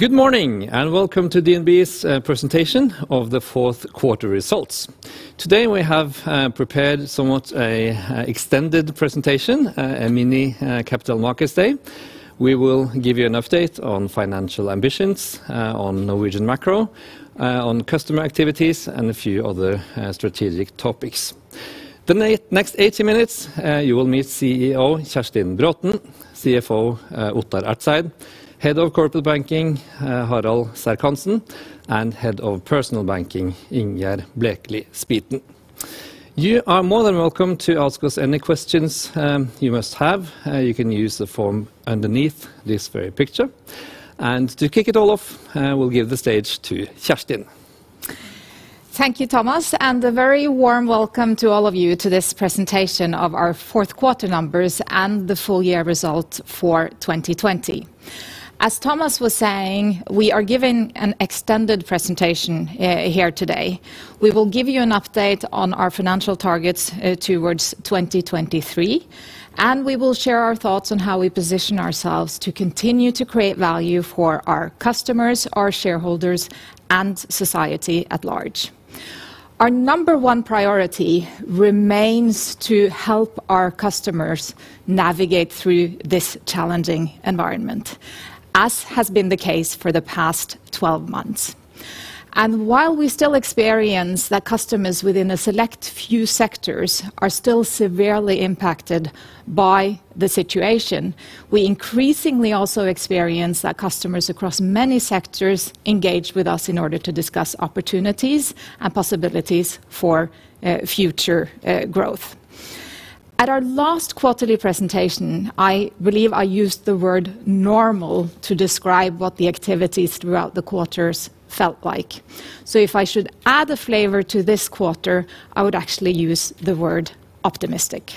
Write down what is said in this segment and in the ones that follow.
Good morning, and welcome to DNB's presentation of the fourth quarter results. Today we have prepared somewhat an extended presentation, a mini Capital Markets Day. We will give you an update on financial ambitions, on Norwegian macro, on customer activities, and a few other strategic topics. The next 80 minutes, you will meet CEO Kjerstin Braathen, CFO Ottar Ertzeid, Head of Corporate Banking Harald Serck-Hanssen, and Head of Personal Banking Ingjerd Blekeli Spiten. You are more than welcome to ask us any questions you must have. You can use the form underneath this very picture. To kick it all off, we'll give the stage to Kjerstin. Thank you, Thomas, and a very warm welcome to all of you to this presentation of our fourth quarter numbers and the full year results for 2020. As Thomas was saying, we are giving an extended presentation here today. We will give you an update on our financial targets towards 2023, and we will share our thoughts on how we position ourselves to continue to create value for our customers, our shareholders, and society at large. Our number one priority remains to help our customers navigate through this challenging environment, as has been the case for the past 12 months. While we still experience that customers within a select few sectors are still severely impacted by the situation, we increasingly also experience that customers across many sectors engage with us in order to discuss opportunities and possibilities for future growth. At our last quarterly presentation, I believe I used the word normal to describe what the activities throughout the quarters felt like. If I should add a flavor to this quarter, I would actually use the word optimistic.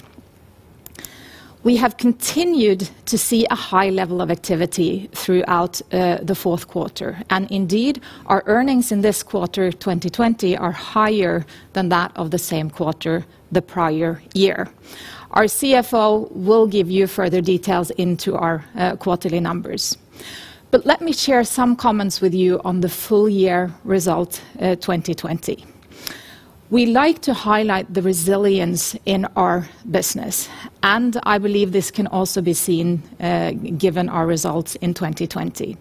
We have continued to see a high level of activity throughout the fourth quarter, and indeed, our earnings in this quarter 2020 are higher than that of the same quarter the prior year. Our CFO will give you further details into our quarterly numbers. Let me share some comments with you on the full year result 2020. We like to highlight the resilience in our business, and I believe this can also be seen, given our results in 2020.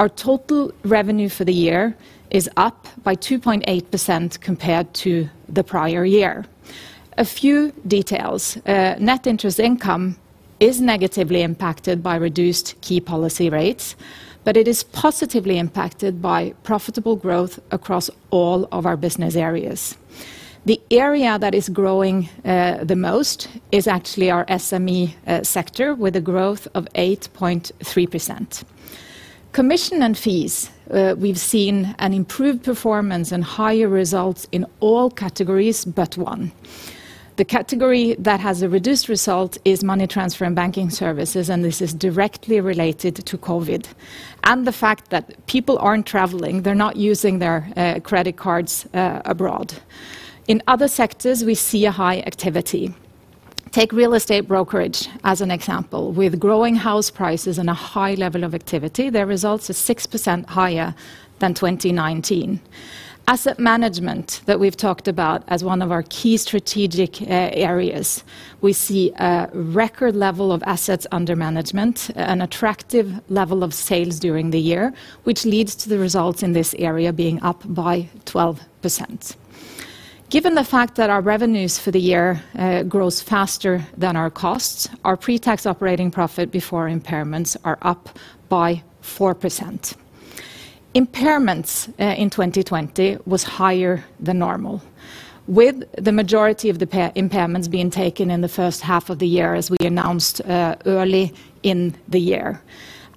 Our total revenue for the year is up by 2.8% compared to the prior year. A few details. Net interest income is negatively impacted by reduced key policy rates, but it is positively impacted by profitable growth across all of our business areas. The area that is growing the most is actually our SME sector, with a growth of 8.3%. Commission and fees, we've seen an improved performance and higher results in all categories but one. The category that has a reduced result is money transfer and banking services, and this is directly related to COVID and the fact that people aren't traveling, they're not using their credit cards abroad. In other sectors, we see a high activity. Take real estate brokerage as an example. With growing house prices and a high level of activity, their results are 6% higher than 2019. Asset management that we've talked about as one of our key strategic areas, we see a record level of assets under management, an attractive level of sales during the year, which leads to the results in this area being up by 12%. Given the fact that our revenues for the year grows faster than our costs, our pre-tax operating profit before impairments are up by 4%. Impairments in 2020 was higher than normal, with the majority of the impairments being taken in the first half of the year, as we announced early in the year.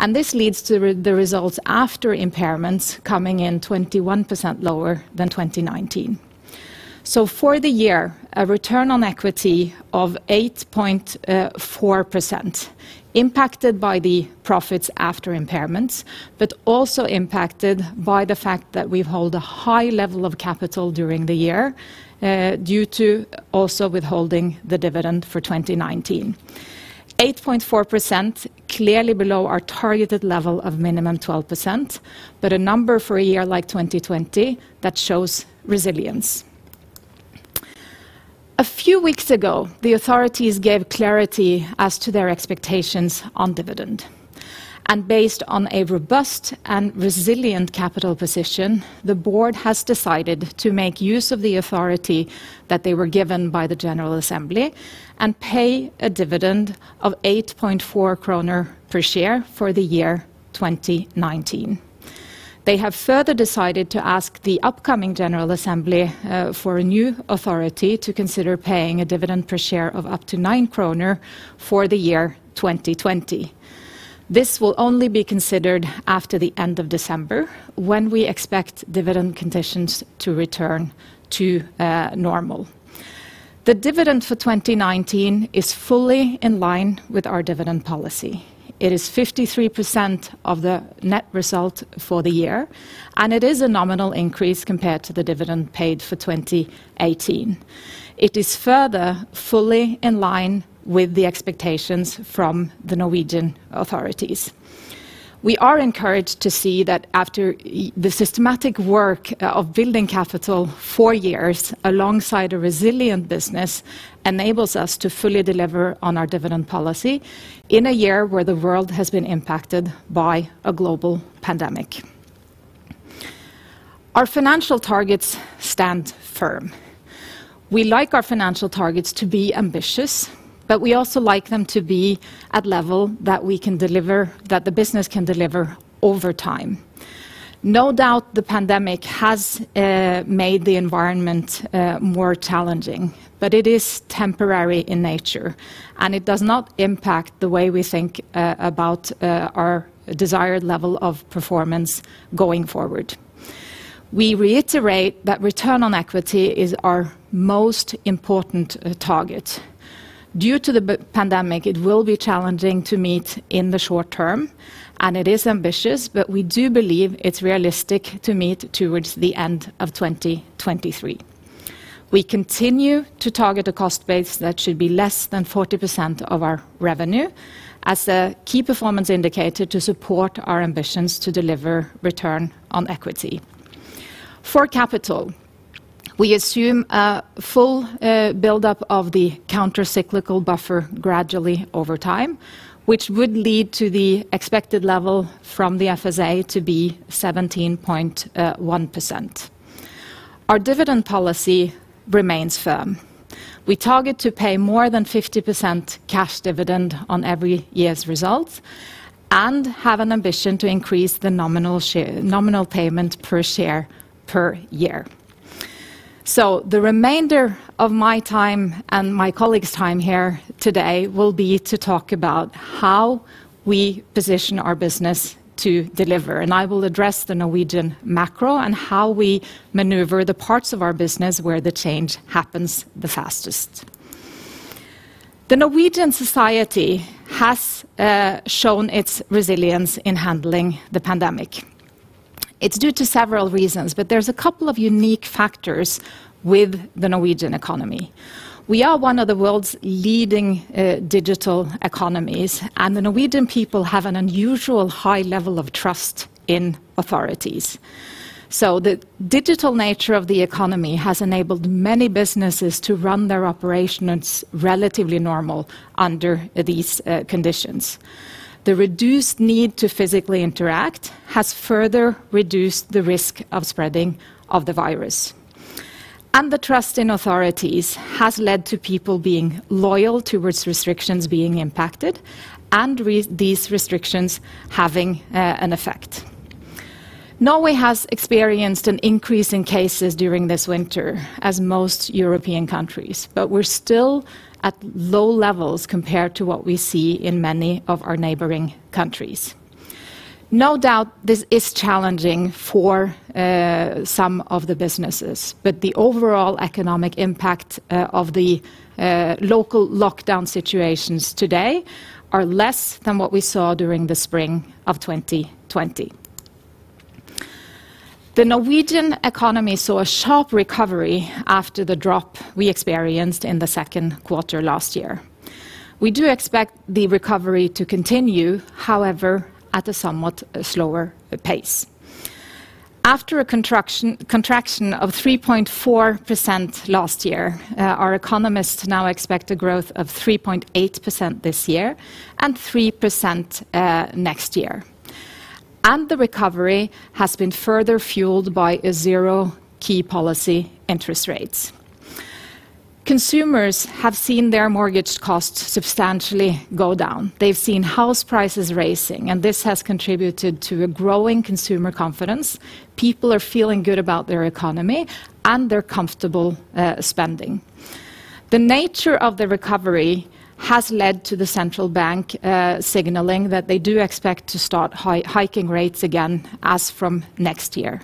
This leads to the results after impairments coming in 21% lower than 2019. For the year, a return on equity of 8.4%, impacted by the profits after impairments, but also impacted by the fact that we've held a high level of capital during the year due to also withholding the dividend for 2019. 8.4%, clearly below our targeted level of minimum 12%, but a number for a year like 2020 that shows resilience. A few weeks ago, the authorities gave clarity as to their expectations on dividend. Based on a robust and resilient capital position, the board has decided to make use of the authority that they were given by the General Assembly and pay a dividend of 8.4 kroner per share for the year 2019. They have further decided to ask the upcoming General Assembly for a new authority to consider paying a dividend per share of up to 9 kroner for the year 2020. This will only be considered after the end of December, when we expect dividend conditions to return to normal. The dividend for 2019 is fully in line with our dividend policy. It is 53% of the net result for the year, and it is a nominal increase compared to the dividend paid for 2018. It is further fully in line with the expectations from the Norwegian Authorities. We are encouraged to see that after the systematic work of building capital four years alongside a resilient business enables us to fully deliver on our dividend policy in a year where the world has been impacted by a global pandemic. Our financial targets stand firm. We like our financial targets to be ambitious, but we also like them to be at level that we can deliver, that the business can deliver over time. No doubt the pandemic has made the environment more challenging, but it is temporary in nature, and it does not impact the way we think about our desired level of performance going forward. We reiterate that return on equity is our most important target. Due to the pandemic, it will be challenging to meet in the short term, and it is ambitious, but we do believe it's realistic to meet towards the end of 2023. We continue to target a cost base that should be less than 40% of our revenue as a key performance indicator to support our ambitions to deliver return on equity. For capital, we assume a full buildup of the counter-cyclical buffer gradually over time, which would lead to the expected level from the FSA to be 17.1%. Our dividend policy remains firm. We target to pay more than 50% cash dividend on every year's results and have an ambition to increase the nominal payment per share per year. The remainder of my time and my colleague's time here today will be to talk about how we position our business to deliver, and I will address the Norwegian macro and how we maneuver the parts of our business where the change happens the fastest. The Norwegian society has shown its resilience in handling the pandemic. It's due to several reasons, but there's a couple of unique factors with the Norwegian economy. We are one of the world's leading digital economies, and the Norwegian people have an unusually high level of trust in authorities. The digital nature of the economy has enabled many businesses to run their operations relatively normal under these conditions. The reduced need to physically interact has further reduced the risk of spreading of the virus. The trust in authorities has led to people being loyal towards restrictions being impacted and these restrictions having an effect. Norway has experienced an increase in cases during this winter, as most European countries, but we're still at low levels compared to what we see in many of our neighboring countries. No doubt this is challenging for some of the businesses, but the overall economic impact of the local lockdown situations today are less than what we saw during the spring of 2020. The Norwegian economy saw a sharp recovery after the drop we experienced in the second quarter last year. We do expect the recovery to continue, however, at a somewhat slower pace. After a contraction of 3.4% last year, our economists now expect a growth of 3.8% this year and 3% next year. The recovery has been further fueled by zero key policy interest rates. Consumers have seen their mortgage costs substantially go down. They've seen house prices rising, and this has contributed to a growing consumer confidence. People are feeling good about their economy, and they're comfortable spending. The nature of the recovery has led to the central bank signaling that they do expect to start hiking rates again as from next year.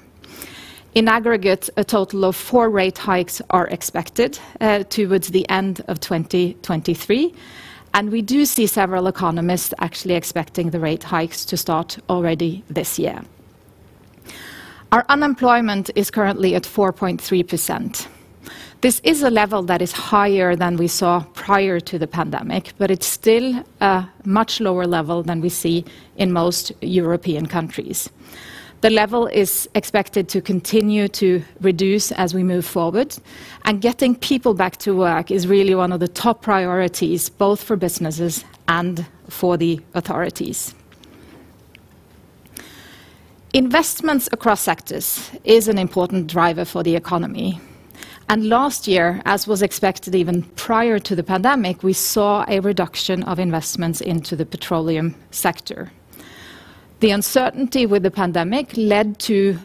In aggregate, a total of four rate hikes are expected towards the end of 2023, and we do see several economists actually expecting the rate hikes to start already this year. Our unemployment is currently at 4.3%. This is a level that is higher than we saw prior to the pandemic, but it's still a much lower level than we see in most European countries. The level is expected to continue to reduce as we move forward. Getting people back to work is really one of the top priorities, both for businesses and for the authorities. Investments across sectors is an important driver for the economy. Last year, as was expected even prior to the pandemic, we saw a reduction of investments into the petroleum sector. The uncertainty with the pandemic led to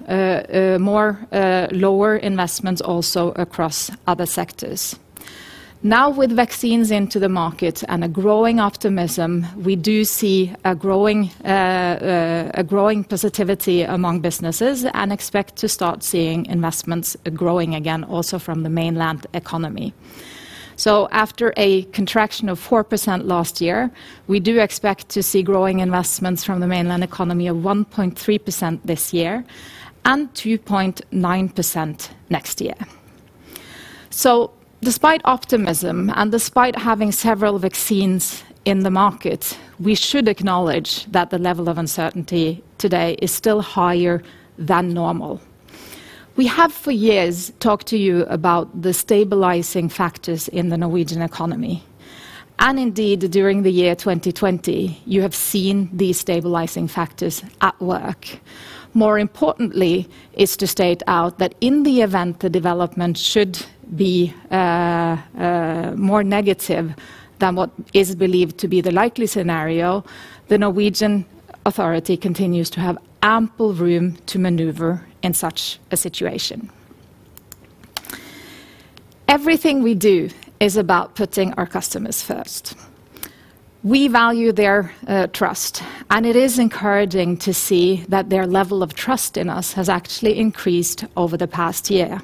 more lower investments also across other sectors. Now with vaccines into the market and a growing optimism, we do see a growing positivity among businesses and expect to start seeing investments growing again also from the mainland economy. After a contraction of 4% last year, we do expect to see growing investments from the mainland economy of 1.3% this year and 2.9% next year. Despite optimism and despite having several vaccines in the market, we should acknowledge that the level of uncertainty today is still higher than normal. We have, for years, talked to you about the stabilizing factors in the Norwegian economy, and indeed, during the year 2020, you have seen these stabilizing factors at work. More importantly is to state out that in the event the development should be more negative than what is believed to be the likely scenario, the Norwegian authority continues to have ample room to maneuver in such a situation. Everything we do is about putting our customers first. We value their trust, and it is encouraging to see that their level of trust in us has actually increased over the past year.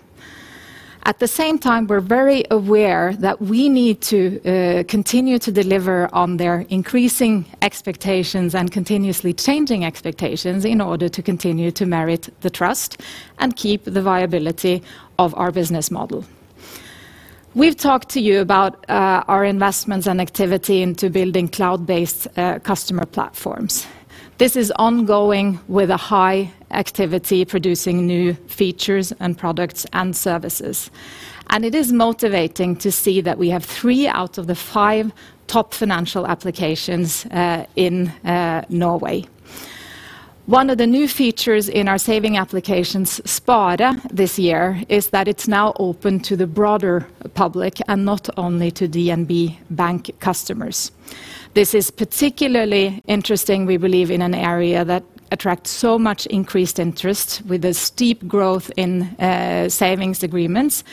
At the same time, we are very aware that we need to continue to deliver on their increasing expectations and continuously changing expectations in order to continue to merit the trust and keep the viability of our business model. We have talked to you about our investments and activity into building cloud-based customer platforms. This is ongoing with a high activity producing new features and products and services, and it is motivating to see that we have three out of the five top financial applications in Norway. One of the new features in our saving applications, Spare this year, is that it is now open to the broader public and not only to DNB Bank customers. This is particularly interesting, we believe, in an area that attracts so much increased interest with a steep growth in savings agreements.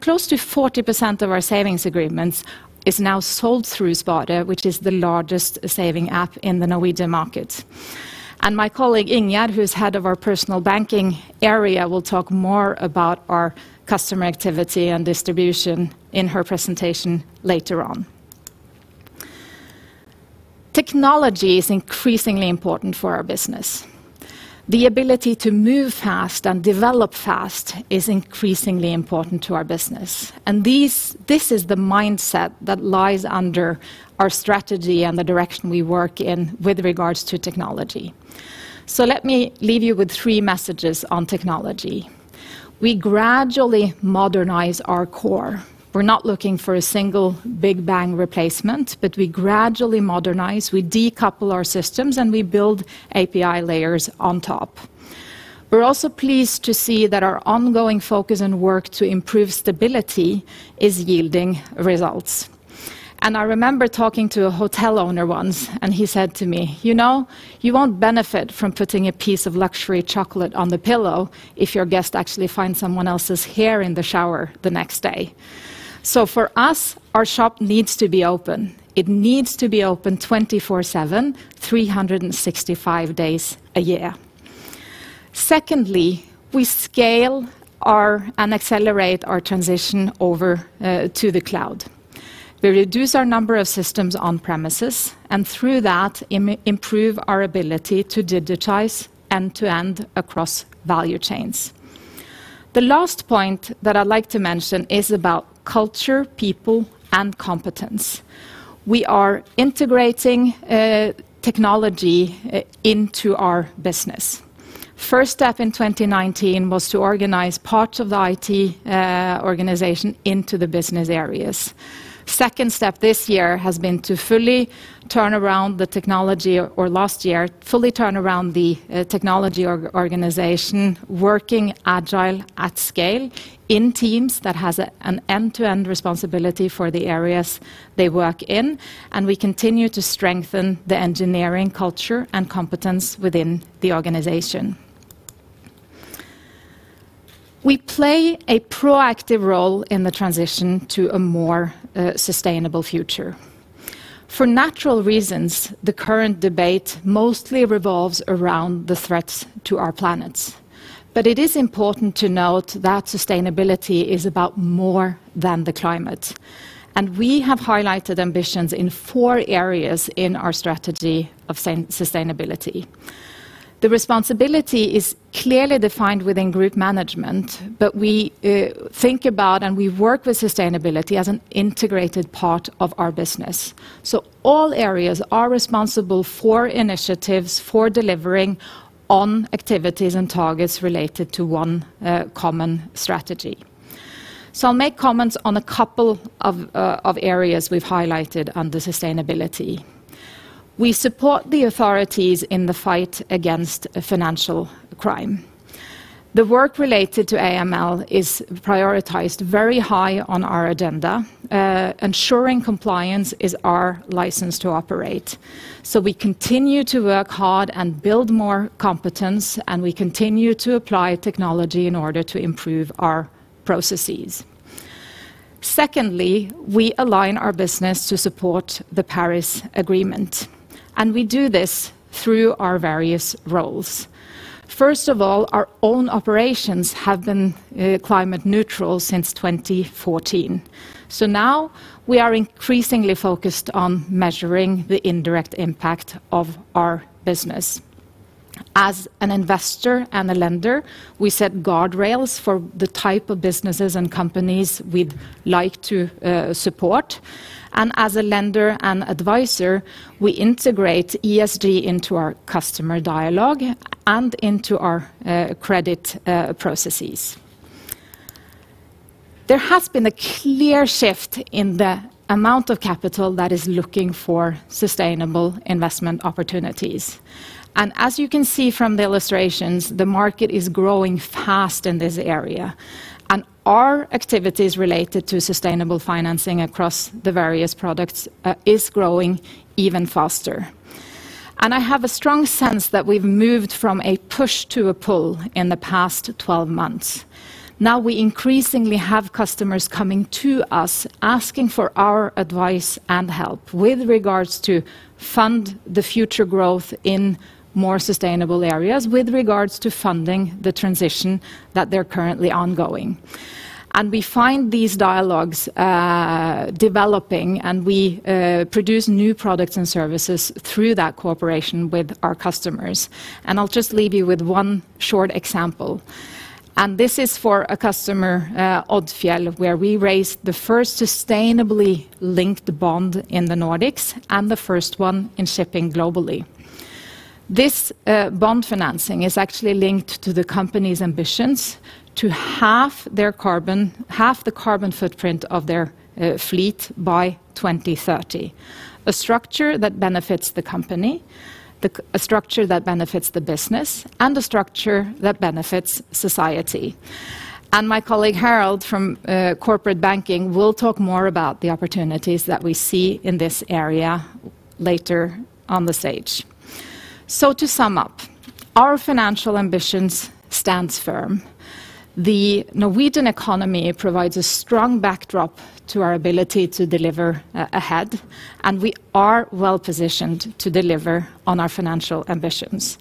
Close to 40% of our savings agreements is now sold through Spare, which is the largest saving app in the Norwegian market. My colleague, Ingjerd, who's head of our personal banking area, will talk more about our customer activity and distribution in her presentation later on. Technology is increasingly important for our business. The ability to move fast and develop fast is increasingly important to our business. This is the mindset that lies under our strategy and the direction we work in with regards to technology. Let me leave you with three messages on technology. We gradually modernize our core. We're not looking for a single big bang replacement, but we gradually modernize, we decouple our systems, and we build API layers on top. We're also pleased to see that our ongoing focus and work to improve stability is yielding results. I remember talking to a hotel owner once, and he said to me, "You know, you won't benefit from putting a piece of luxury chocolate on the pillow if your guest actually finds someone else's hair in the shower the next day." For us, our shop needs to be open. It needs to be open 24/7, 365 days a year. Secondly, we scale and accelerate our transition over to the cloud. We reduce our number of systems on premises, and through that, improve our ability to digitize end-to-end across value chains. The last point that I'd like to mention is about culture, people, and competence. We are integrating technology into our business. First step in 2019 was to organize parts of the IT organization into the business areas. Second step last year has been to fully turn around the technology organization working agile at scale in teams that has an end-to-end responsibility for the areas they work in, and we continue to strengthen the engineering culture and competence within the organization. We play a proactive role in the transition to a more sustainable future. For natural reasons, the current debate mostly revolves around the threats to our planet. It is important to note that sustainability is about more than the climate, and we have highlighted ambitions in four areas in our strategy of sustainability. The responsibility is clearly defined within Group Management, we think about and we work with sustainability as an integrated part of our business. All areas are responsible for initiatives for delivering on activities and targets related to one common strategy. I'll make comments on a couple of areas we've highlighted under sustainability. We support the authorities in the fight against financial crime. The work related to AML is prioritized very high on our agenda. Ensuring compliance is our license to operate. We continue to work hard and build more competence, and we continue to apply technology in order to improve our processes. Secondly, we align our business to support the Paris Agreement, and we do this through our various roles. First of all, our own operations have been climate neutral since 2014. Now we are increasingly focused on measuring the indirect impact of our business. As an investor and a lender, we set guardrails for the type of businesses and companies we'd like to support. As a lender and advisor, we integrate ESG into our customer dialogue and into our credit processes. There has been a clear shift in the amount of capital that is looking for sustainable investment opportunities. As you can see from the illustrations, the market is growing fast in this area. Our activities related to sustainable financing across the various products is growing even faster. I have a strong sense that we've moved from a push to a pull in the past 12 months. Now we increasingly have customers coming to us asking for our advice and help with regards to fund the future growth in more sustainable areas, with regards to funding the transition that they're currently ongoing. We find these dialogues developing, and we produce new products and services through that cooperation with our customers. I'll just leave you with one short example. This is for a customer, Odfjell, where we raised the first sustainably linked bond in the Nordics and the first one in shipping globally. This bond financing is actually linked to the company's ambitions to halve the carbon footprint of their fleet by 2030. A structure that benefits the company, a structure that benefits the business, and a structure that benefits society. My colleague Harald from Corporate Banking will talk more about the opportunities that we see in this area later on the stage. To sum up, our financial ambitions stands firm. The Norwegian economy provides a strong backdrop to our ability to deliver ahead, and we are well-positioned to deliver on our financial ambitions.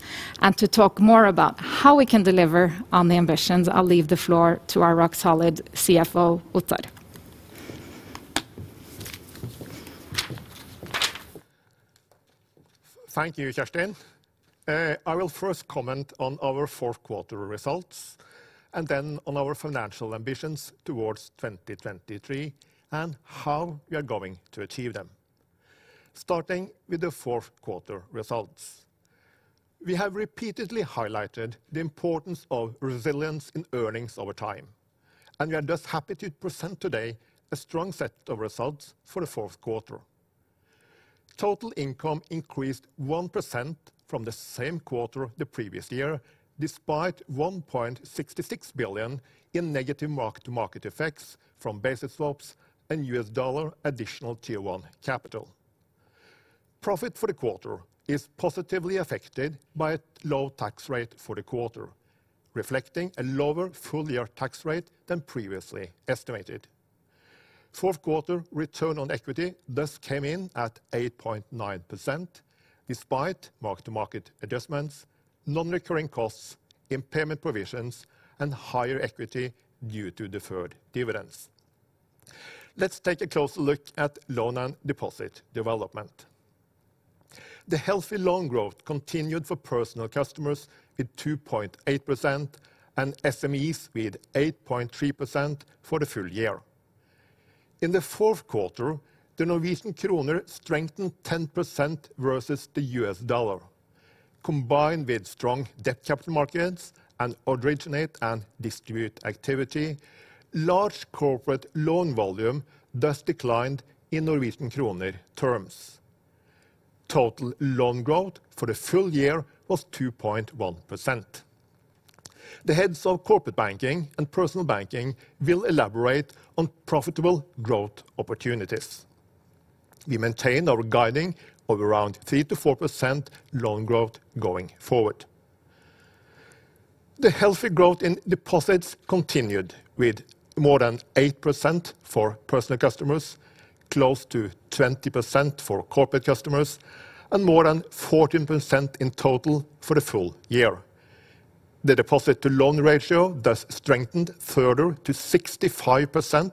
To talk more about how we can deliver on the ambitions, I'll leave the floor to our rock-solid CFO, Ottar. Thank you, Kjerstin. I will first comment on our fourth quarter results, then on our financial ambitions towards 2023 and how we are going to achieve them. Starting with the fourth quarter results. We have repeatedly highlighted the importance of resilience in earnings over time. We are just happy to present today a strong set of results for the fourth quarter. Total income increased 1% from the same quarter the previous year, despite 1.66 billion in negative mark-to-market effects from basis swaps and US dollar additional Tier 1 capital. Profit for the quarter is positively affected by a low tax rate for the quarter, reflecting a lower full-year tax rate than previously estimated. Fourth quarter return on equity thus came in at 8.9%, despite mark-to-market adjustments, non-recurring costs, impairment provisions, and higher equity due to deferred dividends. Let's take a closer look at loan and deposit development. The healthy loan growth continued for personal customers with 2.8% and SMEs with 8.3% for the full year. In the fourth quarter, the Norwegian kroner strengthened 10% versus the US dollar. Combined with strong debt capital markets and originate and distribute activity, large corporate loan volume thus declined in Norwegian krone term versus the US dollar. Total loan growth for the full year was 2.1%. The heads of corporate banking and personal banking will elaborate on profitable growth opportunities. We maintain our guiding of around 3%-4% loan growth going forward. The healthy growth in deposits continued with more than 8% for personal customers, close to 20% for corporate customers, and more than 14% in total for the full year. The deposit to loan ratio thus strengthened further to 65%,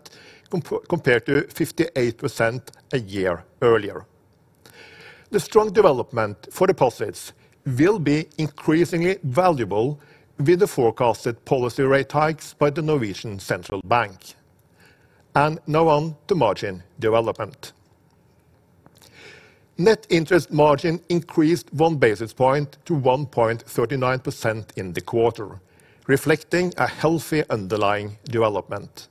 compared to 58% a year earlier. The strong development for deposits will be increasingly valuable with the forecasted policy rate hikes by Norwegian Central Bank. Now on to margin development. Net interest margin increased one basis point to 1.39% in the quarter, reflecting a healthy underlying development.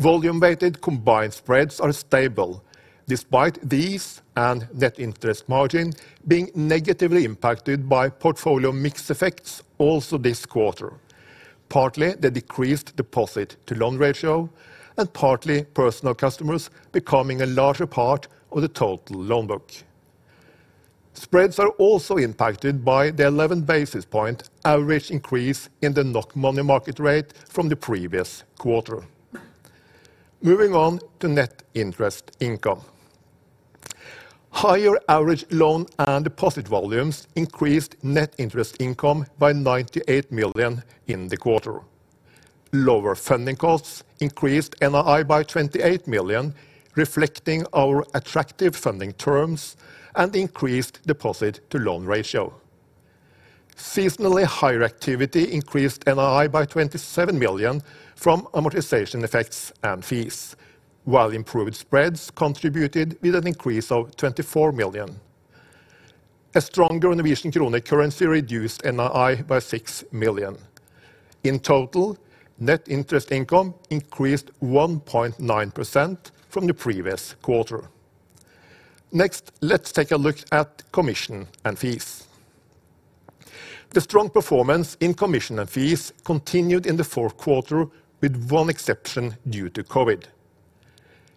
Volume-weighted combined spreads are stable despite these and net interest margin being negatively impacted by portfolio mix effects also this quarter, partly the decreased deposit to loan ratio and partly personal customers becoming a larger part of the total loan book. Spreads are also impacted by the 11-basis point average increase in the NOK money market rate from the previous quarter. Moving on to net interest income. Higher average loan and deposit volumes increased net interest income by 98 million in the quarter. Lower funding costs increased NII by 28 million, reflecting our attractive funding terms and increased deposit to loan ratio. Seasonally higher activity increased NII by 27 million from amortization effects and fees, while improved spreads contributed with an increase of 24 million. A stronger Norwegian krone currency reduced NII by 6 million. In total, net interest income increased 1.9% from the previous quarter. Next, let's take a look at commission and fees. The strong performance in commission and fees continued in the fourth quarter, with one exception due to COVID.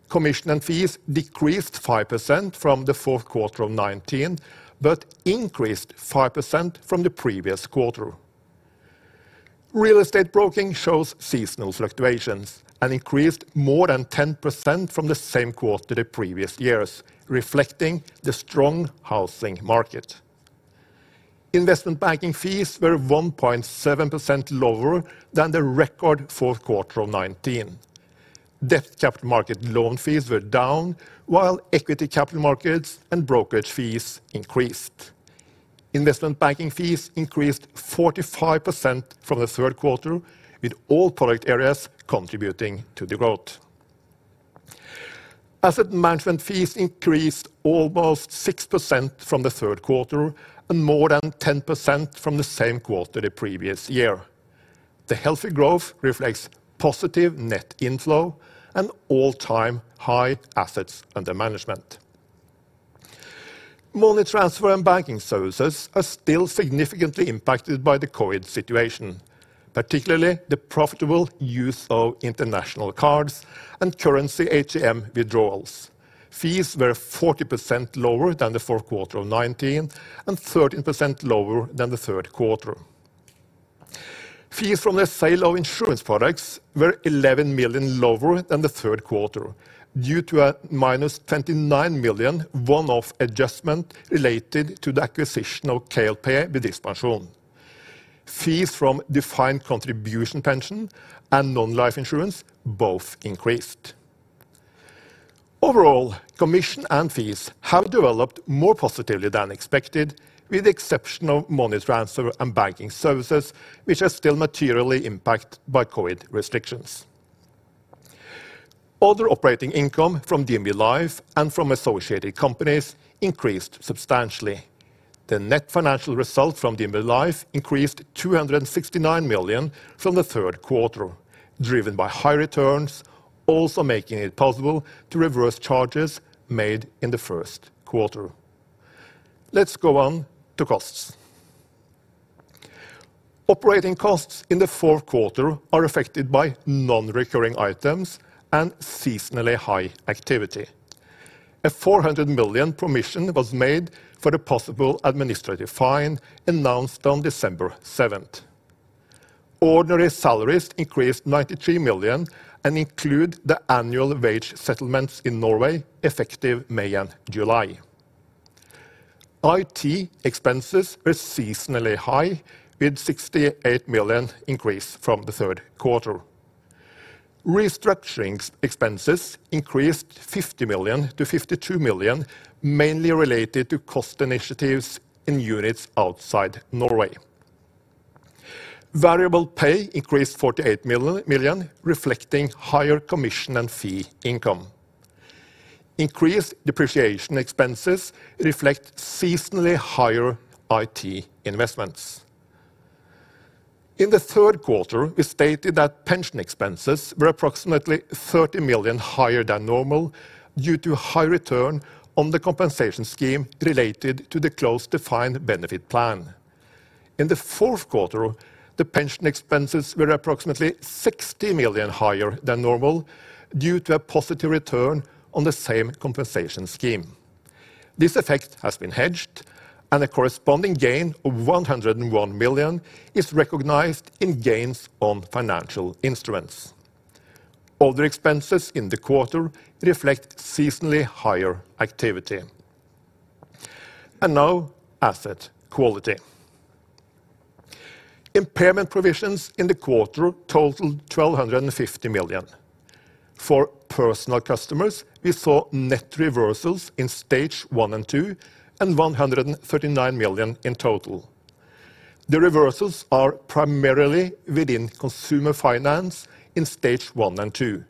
Commission and fees decreased 5% from the fourth quarter of 2019, but increased 5% from the previous quarter. Real estate broking shows seasonal fluctuations and increased more than 10% from the same quarter the previous years, reflecting the strong housing market. Investment banking fees were 1.7% lower than the record fourth quarter of 2019. Debt capital market loan fees were down while equity capital markets and brokerage fees increased. Investment banking fees increased 45% from the third quarter, with all product areas contributing to the growth. Asset management fees increased almost 6% from the third quarter and more than 10% from the same quarter the previous year. The healthy growth reflects positive net inflow and all-time high assets under management. Money transfer and banking services are still significantly impacted by the COVID situation, particularly the profitable use of international cards and currency ATM withdrawals. Fees were 40% lower than the fourth quarter of 2019 and 13% lower than the third quarter. Fees from the sale of insurance products were 11 million lower than the third quarter due to a -29 million one-off adjustment related to the acquisition of KLP Bedriftspensjon. Fees from defined contribution pension and non-life insurance both increased. Overall, commission and fees have developed more positively than expected, with the exception of money transfer and banking services, which are still materially impacted by COVID restrictions. Other operating income from DNB Life and from associated companies increased substantially. The net financial result from DNB Life increased 269 million from the third quarter, driven by high returns, also making it possible to reverse charges made in the first quarter. Let's go on to costs. Operating costs in the fourth quarter are affected by non-recurring items and seasonally high activity. A 400 million provision was made for the possible administrative fine announced on December 7th. Ordinary salaries increased 93 million and include the annual wage settlements in Norway effective May and July. IT expenses were seasonally high, with 68 million increase from the third quarter. Restructuring expenses increased 50 million-52 million, mainly related to cost initiatives in units outside Norway. Variable pay increased 48 million, reflecting higher commission and fee income. Increased depreciation expenses reflect seasonally higher IT investments. In the third quarter, we stated that pension expenses were approximately 30 million higher than normal due to high return on the compensation scheme related to the closed defined benefit plan. In the fourth quarter, the pension expenses were approximately 60 million higher than normal due to a positive return on the same compensation scheme. This effect has been hedged, and a corresponding gain of 101 million is recognized in gains on financial instruments. Other expenses in the quarter reflect seasonally higher activity. Now, asset quality. Impairment provisions in the quarter totaled 1,250 million. For personal customers, we saw net reversals in stage 1 and 2 and 139 million in total. The reversals are primarily within consumer finance in stage 1 and 2,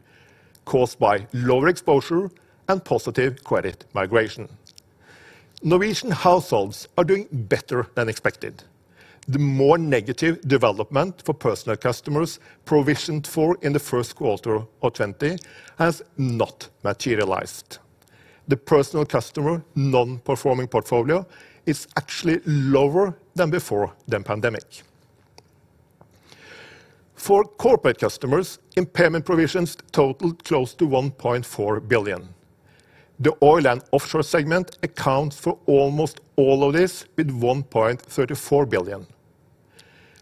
caused by lower exposure and positive credit migration. Norwegian households are doing better than expected. The more negative development for personal customers provisioned for in the first quarter of 2020 has not materialized. The personal customer non-performing portfolio is actually lower than before the pandemic. For corporate customers, impairment provisions totaled close to 1.4 billion. The oil and offshore segment accounts for almost all of this, with 1.34 billion.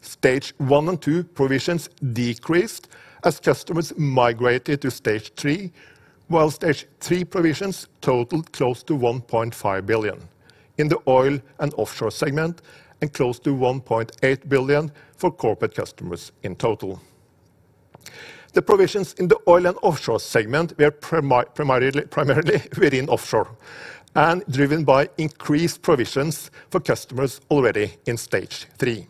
Stage 1 and 2 provisions decreased as customers migrated to stage 3, whilst stage 3 provisions totaled close to 1.5 billion in the oil and offshore segment and close to 1.8 billion for corporate customers in total. The provisions in the oil and offshore segment were primarily within offshore and driven by increased provisions for customers already in stage 3.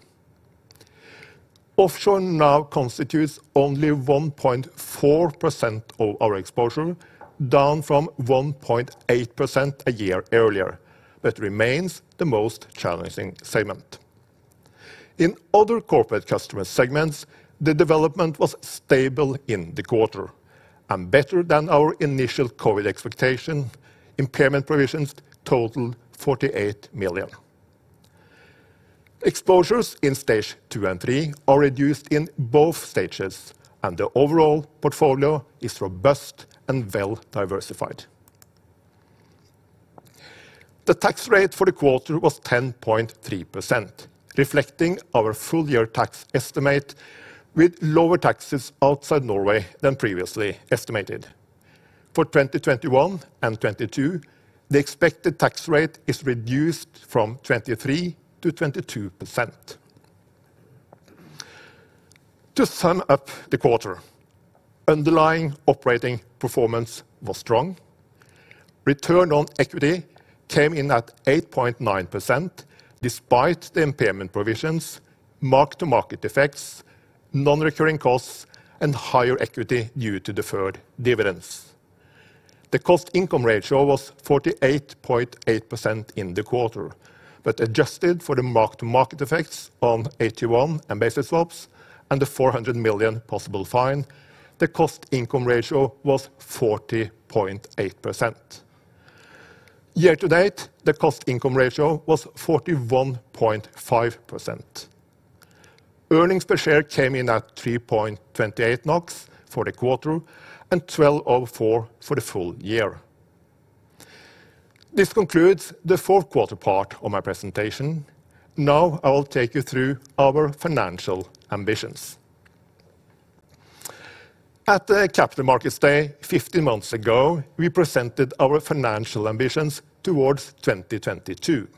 Offshore now constitutes only 1.4% of our exposure, down from 1.8% a year earlier. That remains the most challenging segment. In other corporate customer segments, the development was stable in the quarter and better than our initial COVID expectation. Impairment provisions totaled 48 million. Exposures in stage 2 and 3 are reduced in both stages, and the overall portfolio is robust and well-diversified. The tax rate for the quarter was 10.3%, reflecting our full year tax estimate, with lower taxes outside Norway than previously estimated. For 2021 and 2022, the expected tax rate is reduced from 23%-22%. To sum up the quarter, underlying operating performance was strong. Return on equity came in at 8.9% despite the impairment provisions, mark-to-market effects, non-recurring costs, and higher equity due to deferred dividends. The cost-income ratio was 48.8% in the quarter but adjusted for the mark-to-market effects on AT1 and basis swaps and the 400 million possible fine, the cost-income ratio was 40.8%. Year to date, the cost-income ratio was 41.5%. Earnings per share came in at 3.28 NOK for the quarter and 12.04 for the full year. This concludes the fourth quarter part of my presentation. I will take you through our financial ambitions. At the Capital Markets Day 15 months ago, we presented our financial ambitions towards 2022,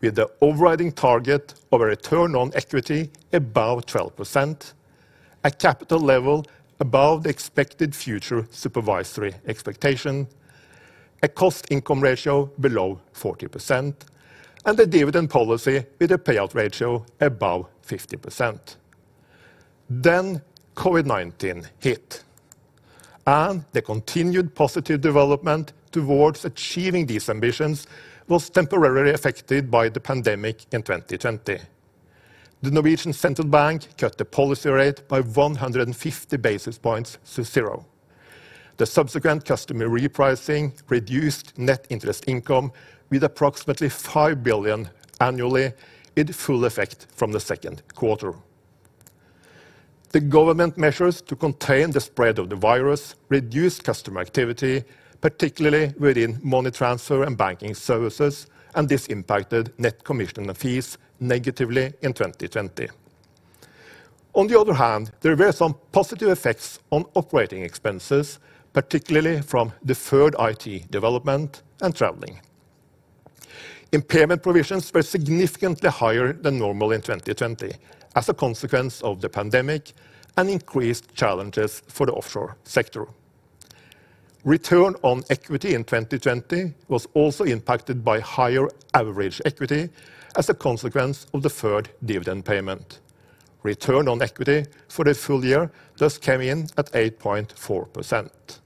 with the overriding target of a return on equity above 12%, a capital level above the expected future supervisory expectation, a cost-income ratio below 40%, and a dividend policy with a payout ratio above 50%. COVID-19 hit, and the continued positive development towards achieving these ambitions was temporarily affected by the pandemic in 2020. The Norwegian Central Bank cut the policy rate by 150 basis points to zero. The subsequent customer repricing reduced net interest income with approximately 5 billion annually, with full effect from the second quarter. The government measures to contain the spread of the virus reduced customer activity, particularly within money transfer and banking services, this impacted net commission and fees negatively in 2020. On the other hand, there were some positive effects on operating expenses, particularly from deferred IT development and traveling. Impairment provisions were significantly higher than normal in 2020 as a consequence of the pandemic and increased challenges for the offshore sector. Return on equity in 2020 was also impacted by higher average equity as a consequence of deferred dividend payment. Return on equity for the full year thus came in at 8.4%.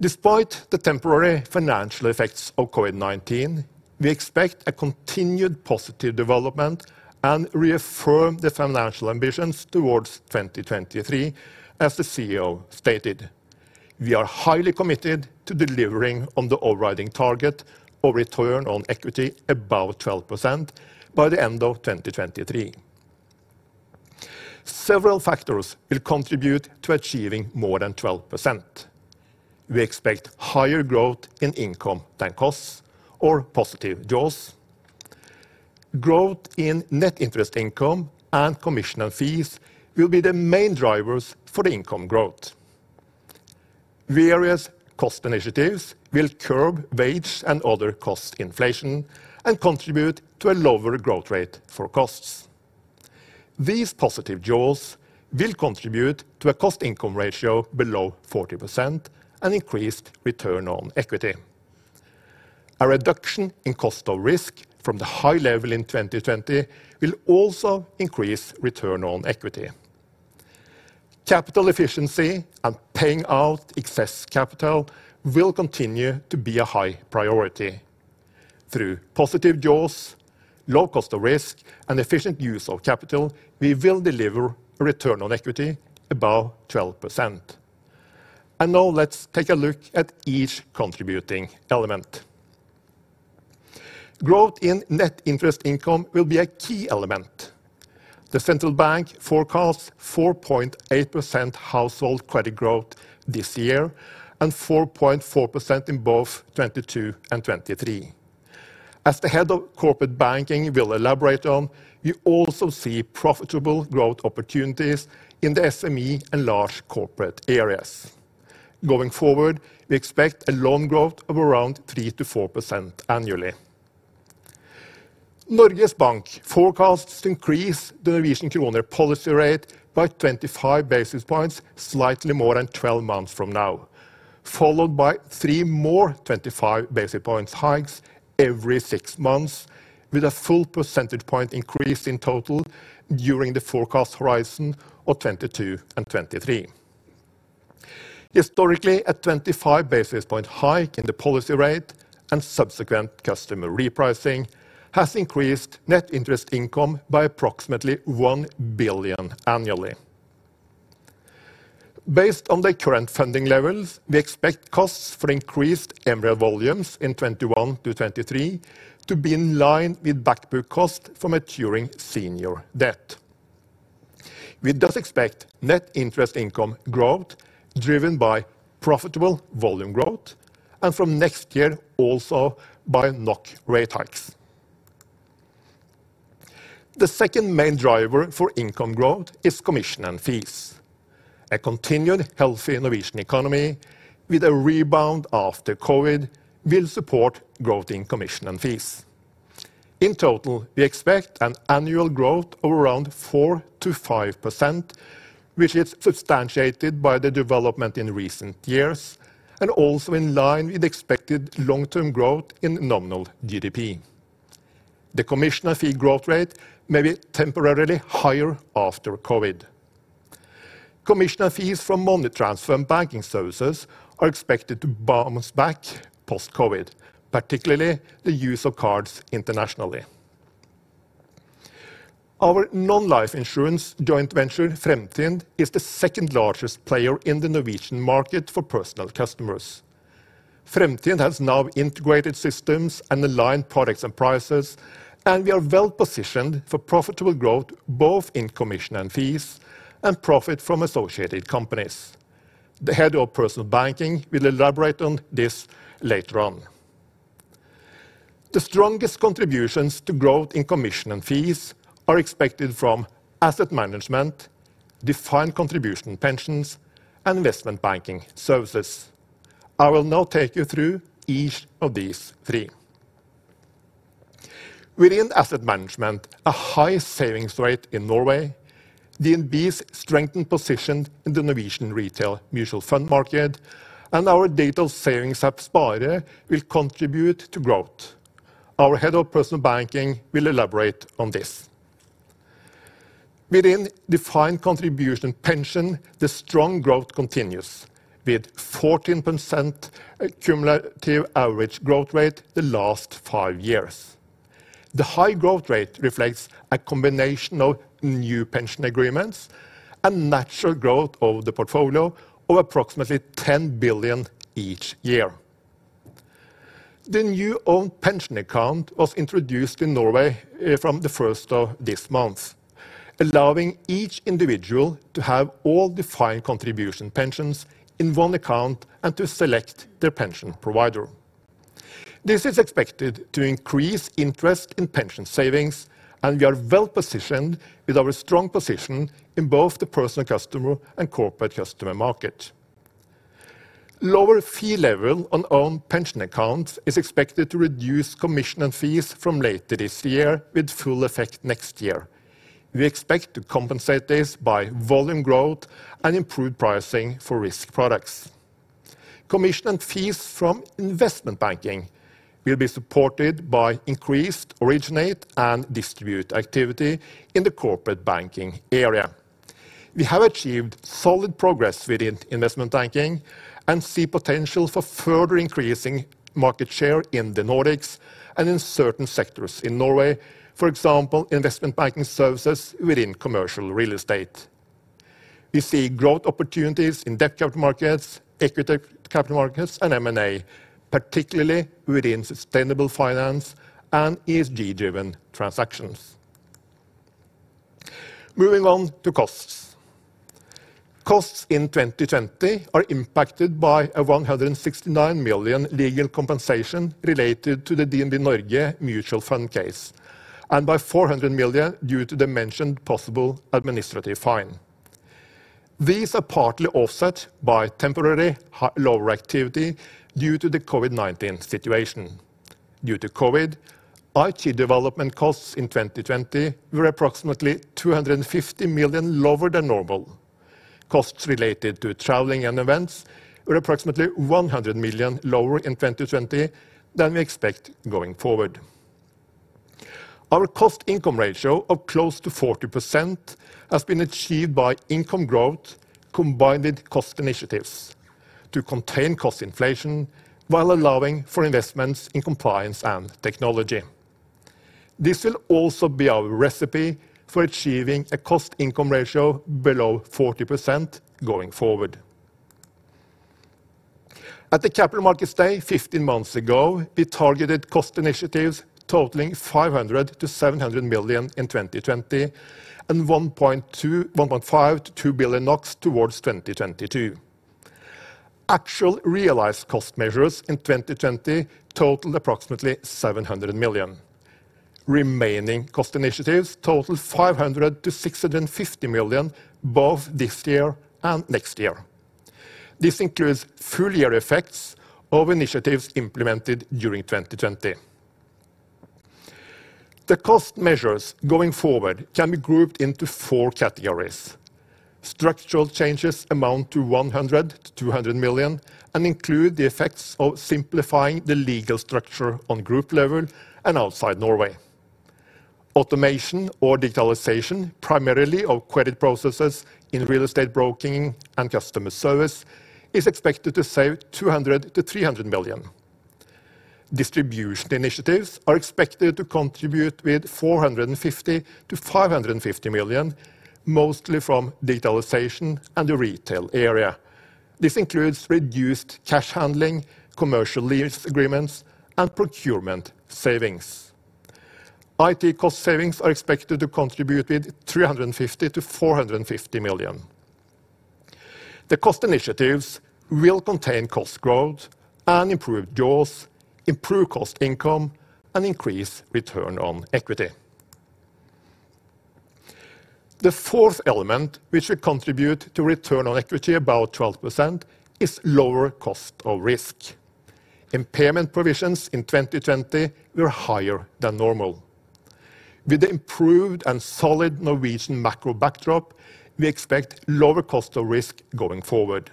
Despite the temporary financial effects of COVID-19, we expect a continued positive development and reaffirm the financial ambitions towards 2023, as the CEO stated. We are highly committed to delivering on the overriding target of return on equity above 12% by the end of 2023. Several factors will contribute to achieving more than 12%. We expect higher growth in income than costs or positive jaws. Growth in net interest income and commission and fees will be the main drivers for the income growth. Various cost initiatives will curb wage and other cost inflation and contribute to a lower growth rate for costs. These positive jaws will contribute to a cost-income ratio below 40% and increased return on equity. A reduction in cost of risk from the high level in 2020 will also increase return on equity. Capital efficiency and paying out excess capital will continue to be a high priority. Through positive jaws, low cost of risk, and efficient use of capital, we will deliver a return on equity above 12%. Now let's take a look at each contributing element. Growth in net interest income will be a key element. The central bank forecasts 4.8% household credit growth this year and 4.4% in both 2022 and 2023. As the head of Corporate Banking will elaborate on, we also see profitable growth opportunities in the SME and large corporate areas. Going forward, we expect a loan growth of around 3%-4% annually. Norges Bank forecasts to increase the Norwegian kroner policy rate by 25 basis points slightly more than 12 months from now, followed by three more 25 basis points hikes every six months, with a full percentage point increase in total during the forecast horizon of 2022 and 2023. Historically, a 25 basis point hike in the policy rate and subsequent customer repricing has increased net interest income by approximately 1 billion annually. Based on the current funding levels, we expect costs for increased MREL volumes in 2021-2023 to be in line with back book cost from maturing senior debt. We thus expect net interest income growth driven by profitable volume growth, and from next year also by NOK rate hikes. The second main driver for income growth is commission and fees. A continued healthy innovation economy with a rebound after COVID will support growth in commission and fees. In total, we expect an annual growth of around 4%-5%, which is substantiated by the development in recent years and also in line with expected long-term growth in nominal GDP. The commission and fee growth rate may be temporarily higher after COVID. Commission and fees from money transfer and banking services are expected to bounce back post-COVID, particularly the use of cards internationally. Our non-life insurance joint venture, Fremtind, is the second largest player in the Norwegian market for personal customers. Fremtind has now integrated systems and aligned products and prices, and we are well positioned for profitable growth both in commission and fees and profit from associated companies. The head of personal banking will elaborate on this later on. The strongest contributions to growth in commission and fees are expected from asset management, defined contribution pensions, and investment banking services. I will now take you through each of these three. Within asset management, a high savings rate in Norway, DNB's strengthened position in the Norwegian retail mutual fund market, and our digital savings app Spare will contribute to growth. Our head of personal banking will elaborate on this. Within defined contribution pension, the strong growth continues, with 14% cumulative average growth rate the last five years. The high growth rate reflects a combination of new pension agreements and natural growth of the portfolio of approximately 10 billion each year. The new own pension account was introduced in Norway from the first of this month, allowing each individual to have all defined contribution pensions in one account and to select their pension provider. This is expected to increase interest in pension savings, and we are well positioned with our strong position in both the personal customer and corporate customer market. Lower fee level on own pension accounts is expected to reduce commission and fees from later this year with full effect next year. We expect to compensate this by volume growth and improved pricing for risk products. Commission and fees from investment banking will be supported by increased originate-to-distribute activity in the corporate banking area. We have achieved solid progress within investment banking and see potential for further increasing market share in the Nordics and in certain sectors, in Norway, for example, investment banking services within commercial real estate. We see growth opportunities in debt capital markets, equity capital markets, and M&A, particularly within sustainable finance and ESG-driven transactions. Moving on to costs. Costs in 2020 are impacted by a 169 million legal compensation related to the DNB Norge mutual fund case, and by 400 million due to the mentioned possible administrative fine. These are partly offset by temporary lower activity due to the COVID-19 situation. Due to COVID, IT development costs in 2020 were approximately 250 million lower than normal. Costs related to traveling and events were approximately 100 million lower in 2020 than we expect going forward. Our cost-income ratio of close to 40% has been achieved by income growth combined with cost initiatives to contain cost inflation while allowing for investments in compliance and technology. This will also be our recipe for achieving a cost-income ratio below 40% going forward. At the Capital Markets Day 15 months ago, we targeted cost initiatives totaling 500 million-700 million in 2020 and 1.5 billion-2 billion NOK towards 2022. Actual realized cost measures in 2020 totaled approximately 700 million. Remaining cost initiatives totaled 500 million-650 million, both this year and next year. This includes full year effects of initiatives implemented during 2020. The cost measures going forward can be grouped into four categories. Structural changes amount to 100 million-200 million and include the effects of simplifying the legal structure on group level and outside Norway. Automation or digitalization, primarily of credit processes in real estate broking and customer service, is expected to save 200 million-300 million. Distribution initiatives are expected to contribute with 450 million-550 million, mostly from digitalization and the retail area. This includes reduced cash handling, commercial lease agreements, and procurement savings. IT cost savings are expected to contribute with 350 million-450 million. The cost initiatives will contain cost growth and improve jaws, improve cost income, and increase return on equity. The fourth element, which will contribute to return on equity about 12%, is lower cost of risk. Impairment provisions in 2020 were higher than normal. With the improved and solid Norwegian macro backdrop, we expect lower cost of risk going forward.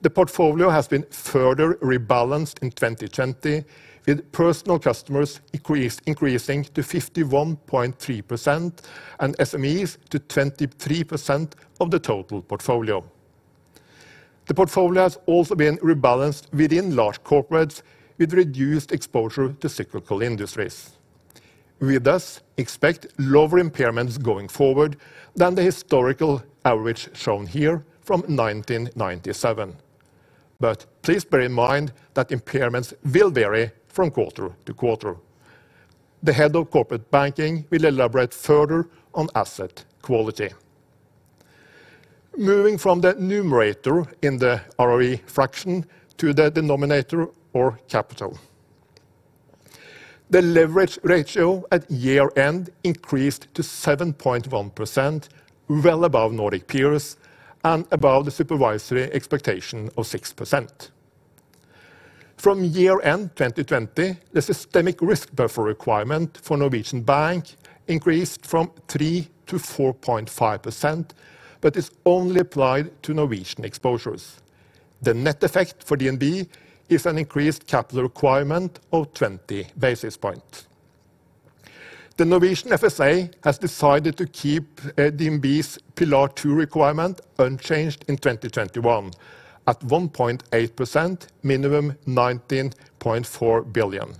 The portfolio has been further rebalanced in 2020, with personal customers increasing to 51.3% and SMEs to 23% of the total portfolio. The portfolio has also been rebalanced within large corporates with reduced exposure to cyclical industries. We thus expect lower impairments going forward than the historical average shown here from 1997. Please bear in mind that impairments will vary from quarter-to-quarter. The head of corporate banking will elaborate further on asset quality. Moving from the numerator in the ROE fraction to the denominator or capital. The leverage ratio at year-end increased to 7.1%, well above Nordic peers and above the supervisory expectation of 6%. From year-end 2020, the systemic risk buffer requirement for Norwegian bank increased from 3% to 4.5%, is only applied to Norwegian exposures. The net effect for DNB is an increased capital requirement of 20 basis points. The Norwegian FSA has decided to keep DNB's Pillar 2 requirement unchanged in 2021 at 1.8%, minimum 19.4 billion.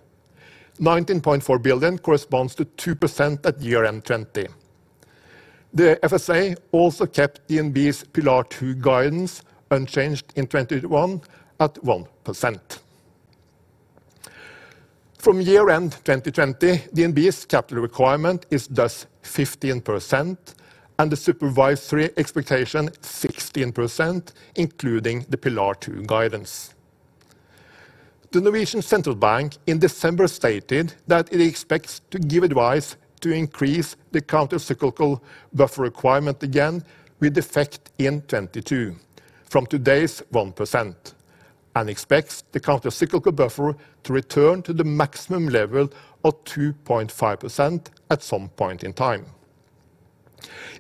19.4 billion corresponds to 2% at year-end 2020. The FSA also kept DNB's Pillar 2 guidance unchanged in 2021 at 1%. From year-end 2020, DNB's capital requirement is thus 15%, and the supervisory expectation 16%, including the Pillar 2 guidance. The Norwegian Central Bank in December stated that it expects to give advice to increase the countercyclical buffer requirement again with effect in 2022 from today's 1% and expects the countercyclical buffer to return to the maximum level of 2.5% at some point in time.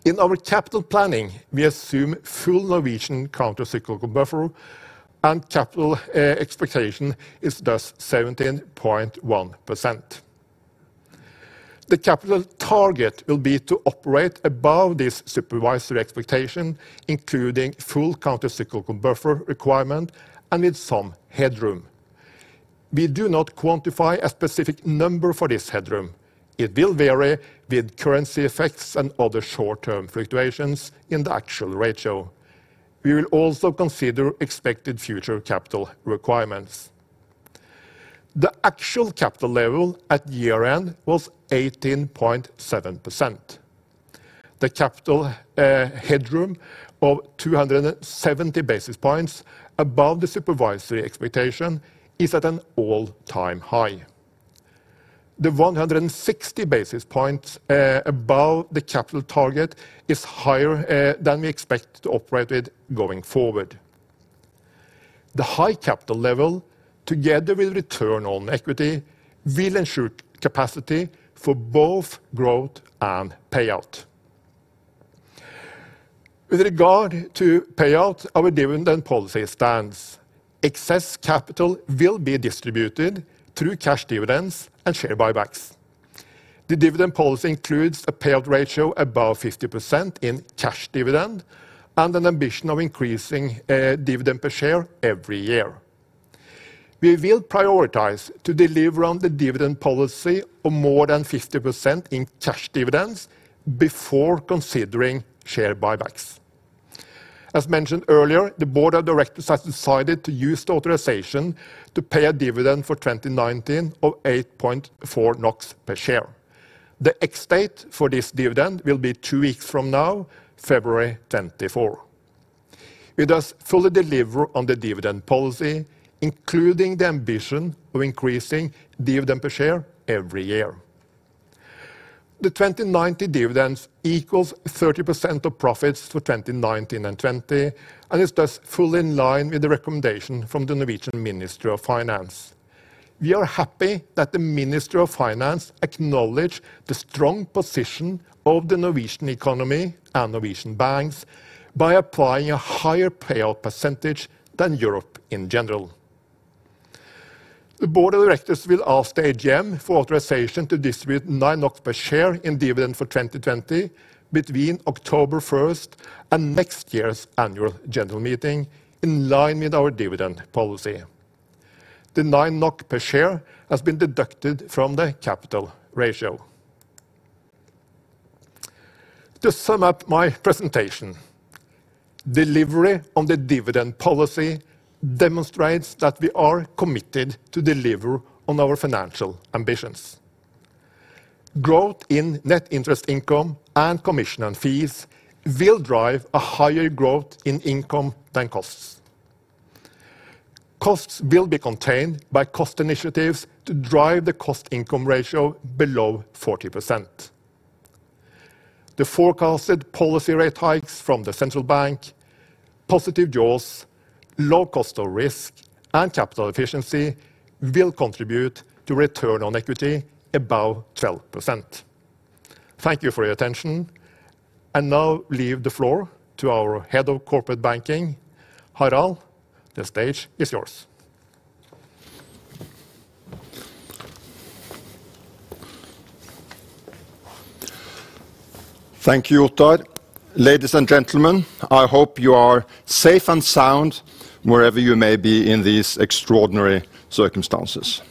In our capital planning, we assume full Norwegian countercyclical buffer and capital expectation is thus 17.1%. The capital target will be to operate above this supervisory expectation, including full countercyclical buffer requirement and with some headroom. We do not quantify a specific number for this headroom. It will vary with currency effects and other short-term fluctuations in the actual ratio. We will also consider expected future capital requirements. The actual capital level at year-end was 18.7%. The capital headroom of 270 basis points above the supervisory expectation is at an all-time high. The 160 basis points above the capital target is higher than we expect to operate with going forward. The high capital level, together with return on equity, will ensure capacity for both growth and payout. With regard to payout, our dividend policy stands. Excess capital will be distributed through cash dividends and share buybacks. The dividend policy includes a payout ratio above 50% in cash dividend and an ambition of increasing dividend per share every year. We will prioritize to deliver on the dividend policy of more than 50% in cash dividends before considering share buybacks. As mentioned earlier, the board of directors has decided to use the authorization to pay a dividend for 2019 of 8.4 NOK per share. The ex-date for this dividend will be two weeks from now, February 24. We thus fully deliver on the dividend policy, including the ambition of increasing dividend per share every year. The 2019 dividends equals 30% of profits for 2019 and 2020. It is thus fully in line with the recommendation from the Norwegian Ministry of Finance. We are happy that the Ministry of Finance acknowledged the strong position of the Norwegian economy and Norwegian banks by applying a higher payout percentage than Europe in general. The board of directors will ask the AGM for authorization to distribute 9 per share in dividend for 2020 between October 1st and next year's annual general meeting in line with our dividend policy. The 9 NOK per share has been deducted from the capital ratio. To sum up my presentation, delivery on the dividend policy demonstrates that we are committed to deliver on our financial ambitions. Growth in net interest income and commission and fees will drive a higher growth in income than costs. Costs will be contained by cost initiatives to drive the cost-income ratio below 40%. The forecasted policy rate hikes from the central bank, positive jaws, low cost of risk, and capital efficiency will contribute to return on equity above 12%. Thank you for your attention and now leave the floor to our head of corporate banking, Harald. The stage is yours. Thank you, Ottar. Ladies and gentlemen, I hope you are safe and sound wherever you may be in these extraordinary circumstances.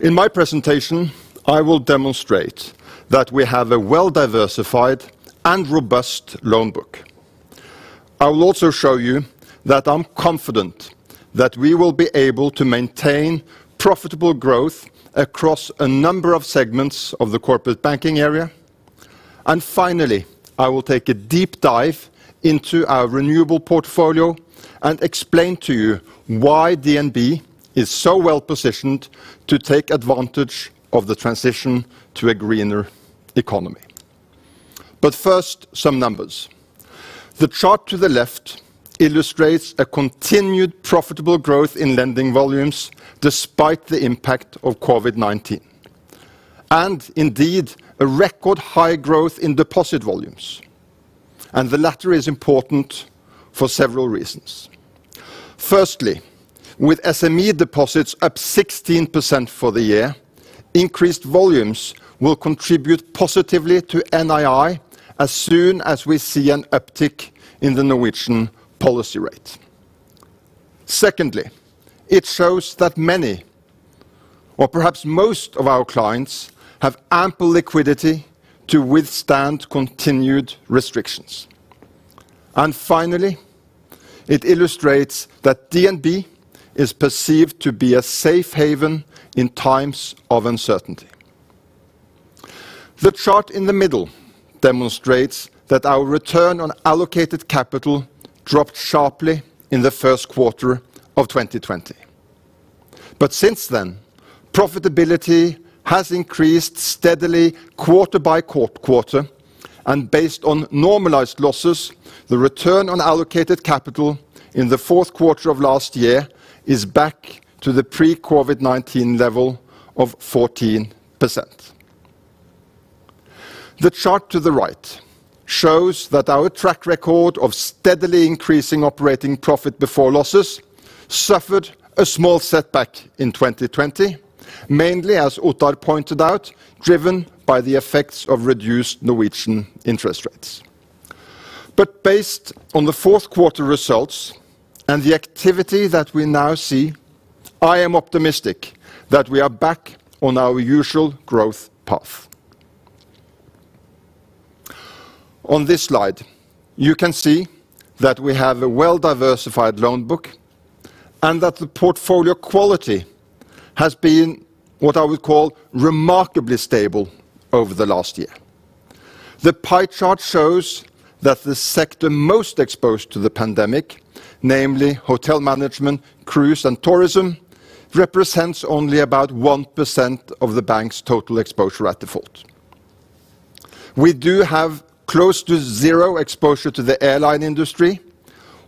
In my presentation, I will demonstrate that we have a well-diversified and robust loan book. I will also show you that I'm confident that we will be able to maintain profitable growth across a number of segments of the corporate banking area. Finally, I will take a deep dive into our renewable portfolio and explain to you why DNB is so well positioned to take advantage of the transition to a greener economy. First, some numbers. The chart to the left illustrates a continued profitable growth in lending volumes despite the impact of COVID-19, and indeed, a record high growth in deposit volumes. The latter is important for several reasons. With SME deposits up 16% for the year, increased volumes will contribute positively to NII as soon as we see an uptick in the Norwegian policy rate. It shows that many, or perhaps most of our clients, have ample liquidity to withstand continued restrictions. Finally, it illustrates that DNB is perceived to be a safe haven in times of uncertainty. The chart in the middle demonstrates that our return on allocated capital dropped sharply in the first quarter of 2020. Since then, profitability has increased steadily quarter-by-quarter, and based on normalized losses, the return on allocated capital in the fourth quarter of last year is back to the pre-COVID-19 level of 14%. The chart to the right shows that our track record of steadily increasing operating profit before losses suffered a small setback in 2020, mainly, as Ottar pointed out, driven by the effects of reduced Norwegian interest rates. Based on the fourth quarter results and the activity that we now see, I am optimistic that we are back on our usual growth path. On this slide, you can see that we have a well-diversified loan book and that the portfolio quality has been what I would call remarkably stable over the last year. The pie chart shows that the sector most exposed to the pandemic, namely hotel management, cruise, and tourism, represents only about 1% of the bank's total exposure at default. We do have close to zero exposure to the airline industry,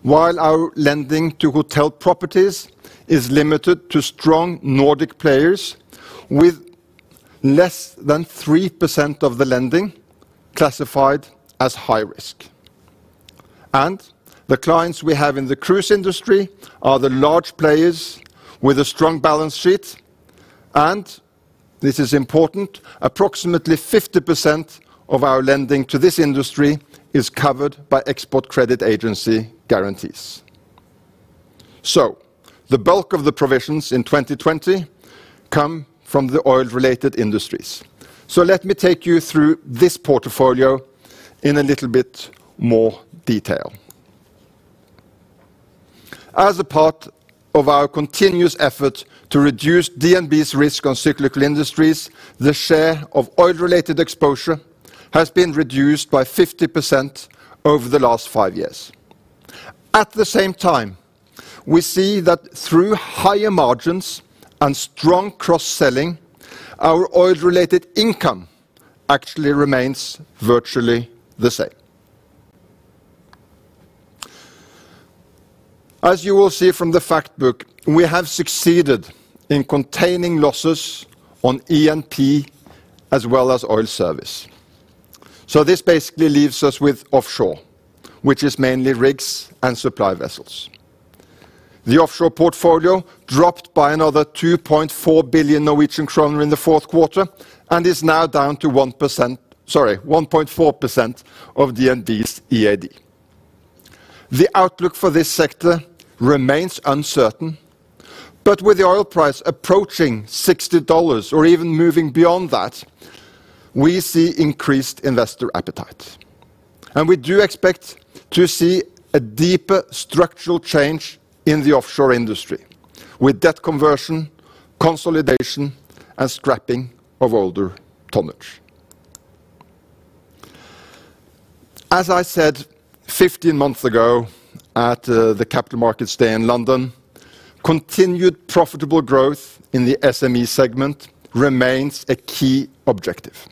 while our lending to hotel properties is limited to strong Nordic players with less than 3% of the lending classified as high risk. The clients we have in the cruise industry are the large players with a strong balance sheet, and this is important, approximately 50% of our lending to this industry is covered by Export Credit Agency guarantees. The bulk of the provisions in 2020 come from the oil-related industries. Let me take you through this portfolio in a little bit more detail. As a part of our continuous effort to reduce DNB's risk on cyclical industries, the share of oil-related exposure has been reduced by 50% over the last five years. At the same time, we see that through higher margins and strong cross-selling, our oil-related income actually remains virtually the same. As you will see from the fact book, we have succeeded in containing losses on E&P as well as oil service. This basically leaves us with offshore, which is mainly rigs and supply vessels. The offshore portfolio dropped by another 2.4 billion Norwegian kroner in the fourth quarter and is now down to 1%, sorry, 1.4% of DNB's EAD. The outlook for this sector remains uncertain, with the oil price approaching $60 or even moving beyond that, we see increased investor appetite. We do expect to see a deeper structural change in the offshore industry with debt conversion, consolidation, and scrapping of older tonnage. As I said 15 months ago at the Capital Markets Day in London, continued profitable growth in the SME segment remains a key objective.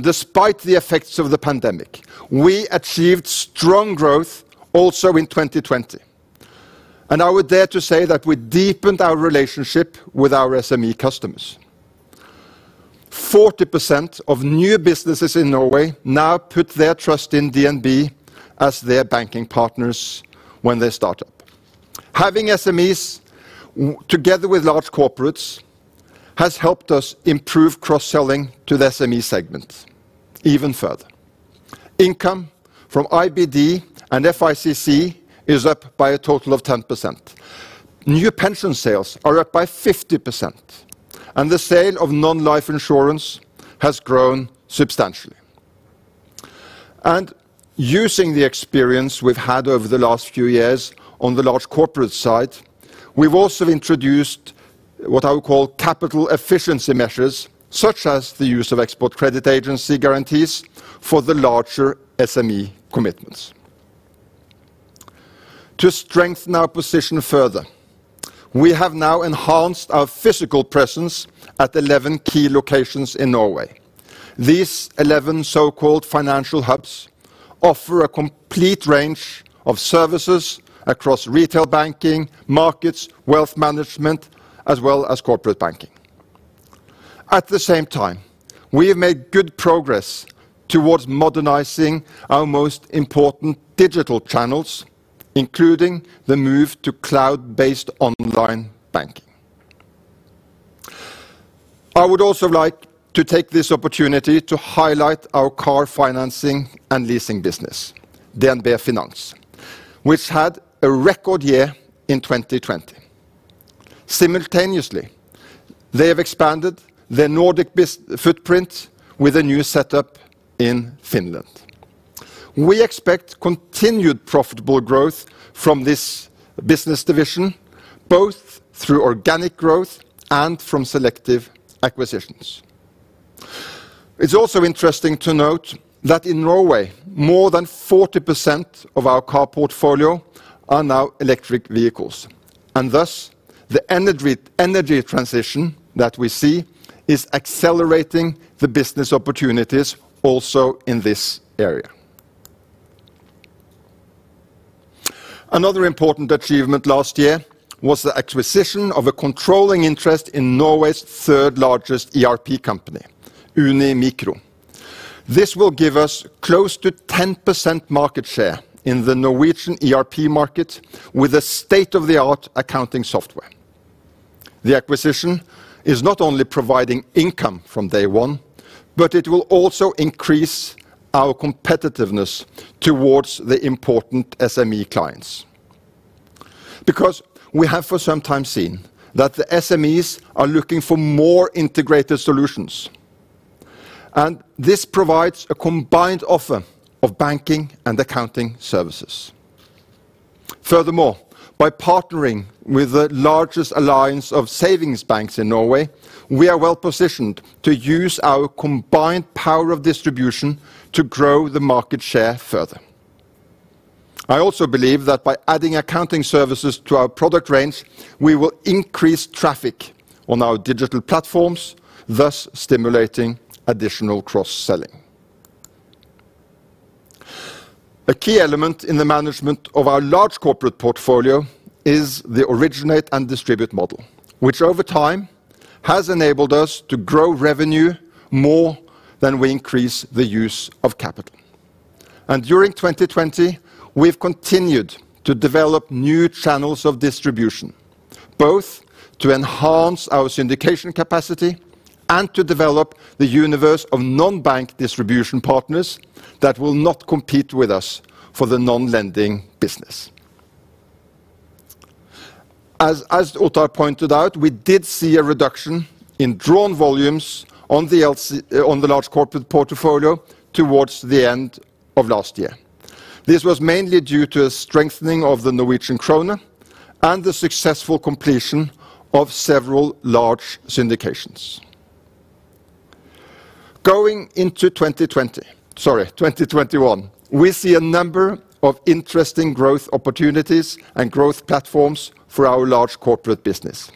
Despite the effects of the pandemic, we achieved strong growth also in 2020. I would dare to say that we deepened our relationship with our SME customers. 40% of new businesses in Norway now put their trust in DNB as their banking partners when they start up. Having SMEs together with large corporates has helped us improve cross-selling to the SME segment even further. Income from IBD and FICC is up by a total of 10%. New pension sales are up by 50%, and the sale of non-life insurance has grown substantially. Using the experience, we've had over the last few years on the large corporate side, we've also introduced what I would call capital efficiency measures, such as the use of export credit agency guarantees for the larger SME commitments. To strengthen our position further, we have now enhanced our physical presence at 11 key locations in Norway. These 11 so-called financial hubs offer a complete range of services across retail banking, markets, wealth management, as well as corporate banking. At the same time, we have made good progress towards modernizing our most important digital channels, including the move to cloud-based online banking. I would also like to take this opportunity to highlight our car financing and leasing business, DNB Finans, which had a record year in 2020. Simultaneously, they have expanded their Nordic footprint with a new setup in Finland. We expect continued profitable growth from this business division, both through organic growth and from selective acquisitions. It's also interesting to note that in Norway, more than 40% of our car portfolio are now electric vehicles, and thus, the energy transition that we see is accelerating the business opportunities also in this area. Another important achievement last year was the acquisition of a controlling interest in Norway's third-largest ERP company, Uni Micro. This will give us close to 10% market share in the Norwegian ERP market with a state-of-the-art accounting software. The acquisition is not only providing income from day one, but it will also increase our competitiveness towards the important SME clients. Because we have for some time seen that the SMEs are looking for more integrated solutions, and this provides a combined offer of banking and accounting services. Furthermore, by partnering with the largest alliance of savings banks in Norway, we are well-positioned to use our combined power of distribution to grow the market share further. I also believe that by adding accounting services to our product range, we will increase traffic on our digital platforms, thus stimulating additional cross-selling. A key element in the management of our large corporate portfolio is the originate-to-distribute model, which over time has enabled us to grow revenue more than we increase the use of capital. During 2020, we've continued to develop new channels of distribution, both to enhance our syndication capacity and to develop the universe of non-bank distribution partners that will not compete with us for the non-lending business. As Ottar pointed out, we did see a reduction in drawn volumes on the large corporate portfolio towards the end of last year. This was mainly due to a strengthening of the Norwegian kroner and the successful completion of several large syndications. Going into 2021, we see a number of interesting growth opportunities and growth platforms for our large corporate business.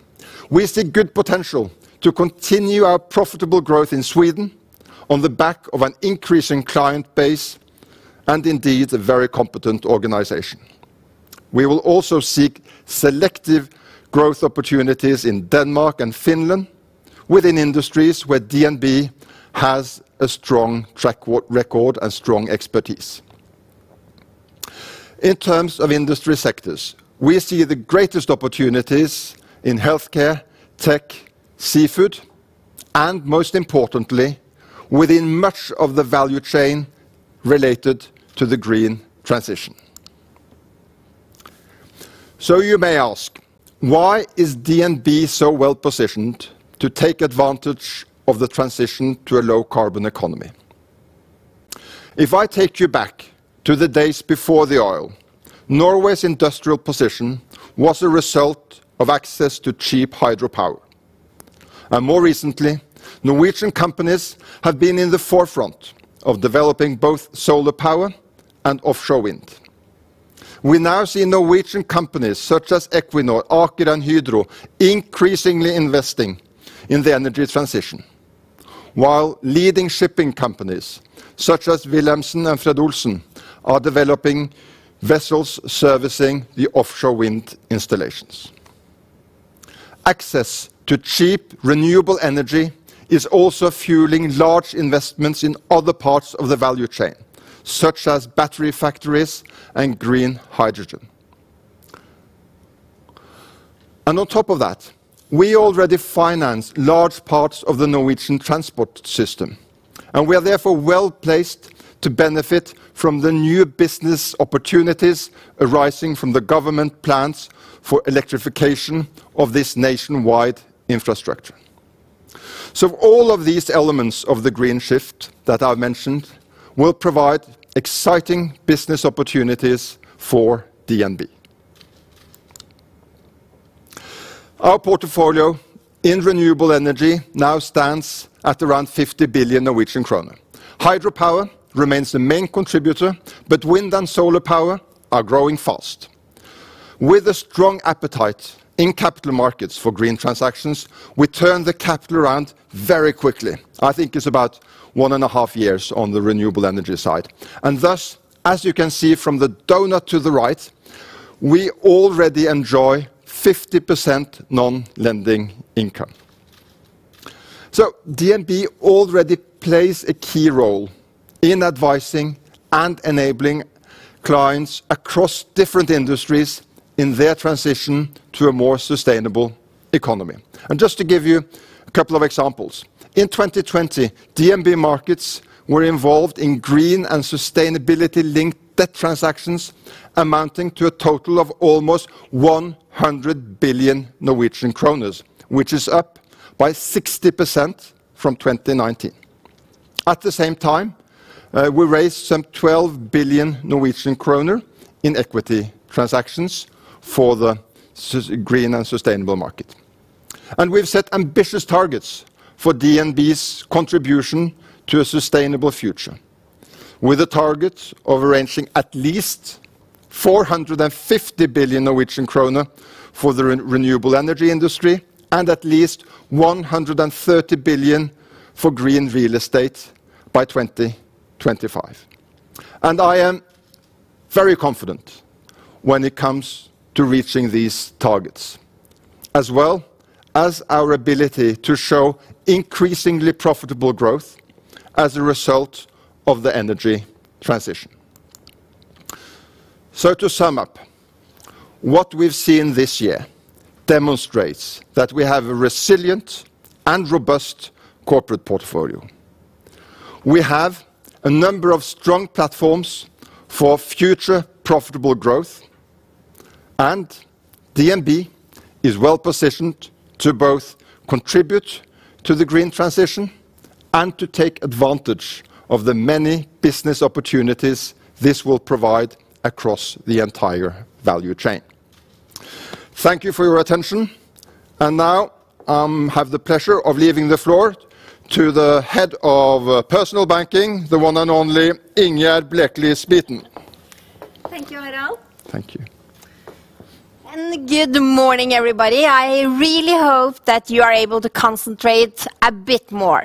We see good potential to continue our profitable growth in Sweden on the back of an increasing client base and indeed, a very competent organization. We will also seek selective growth opportunities in Denmark and Finland, within industries where DNB has a strong track record and strong expertise. In terms of industry sectors, we see the greatest opportunities in healthcare, tech, seafood, and most importantly, within much of the value chain related to the green transition. You may ask, why is DNB so well-positioned to take advantage of the transition to a low-carbon economy? If I take you back to the days before the oil, Norway's industrial position was a result of access to cheap hydropower. More recently, Norwegian companies have been in the forefront of developing both solar power and offshore wind. We now see Norwegian companies such as Equinor, Aker and Hydro increasingly investing in the energy transition. Leading shipping companies such as Wilhelmsen and Fred. Olsen are developing vessels servicing the offshore wind installations. Access to cheap renewable energy is also fueling large investments in other parts of the value chain, such as battery factories and green hydrogen. On top of that, we already finance large parts of the Norwegian transport system, and we are therefore well-placed to benefit from the new business opportunities arising from the government plans for electrification of this nationwide infrastructure. All of these elements of the green shift that I mentioned will provide exciting business opportunities for DNB. Our portfolio in renewable energy now stands at around 50 billion Norwegian kroner. Hydropower remains the main contributor, wind and solar power are growing fast. With a strong appetite in capital markets for green transactions, we turn the capital around very quickly. I think it's about 1.5 Years on the renewable energy side. Thus, as you can see from the donut to the right, we already enjoy 50% non-lending income. DNB already plays a key role in advising and enabling clients across different industries in their transition to a more sustainable economy. Just to give you a couple of examples. In 2020, DNB Markets were involved in green and sustainability-linked debt transactions amounting to a total of almost 100 billion Norwegian kroner, which is up by 60% from 2019. At the same time, we raised some 12 billion Norwegian kroner in equity transactions for the green and sustainable market. We've set ambitious targets for DNB's contribution to a sustainable future, with a target of arranging at least 450 billion Norwegian kroner for the renewable energy industry and at least 130 billion for green real estate by 2025. I am very confident when it comes to reaching these targets, as well as our ability to show increasingly profitable growth as a result of the energy transition. To sum up, what we've seen this year demonstrates that we have a resilient and robust corporate portfolio. We have a number of strong platforms for future profitable growth, and DNB is well-positioned to both contribute to the green transition and to take advantage of the many business opportunities this will provide across the entire value chain. Thank you for your attention. Now, I have the pleasure of leaving the floor to the Head of Personal Banking, the one and only Ingjerd Blekeli Spiten. Thank you, Harald. Thank you. Good morning, everybody. I really hope that you are able to concentrate a bit more,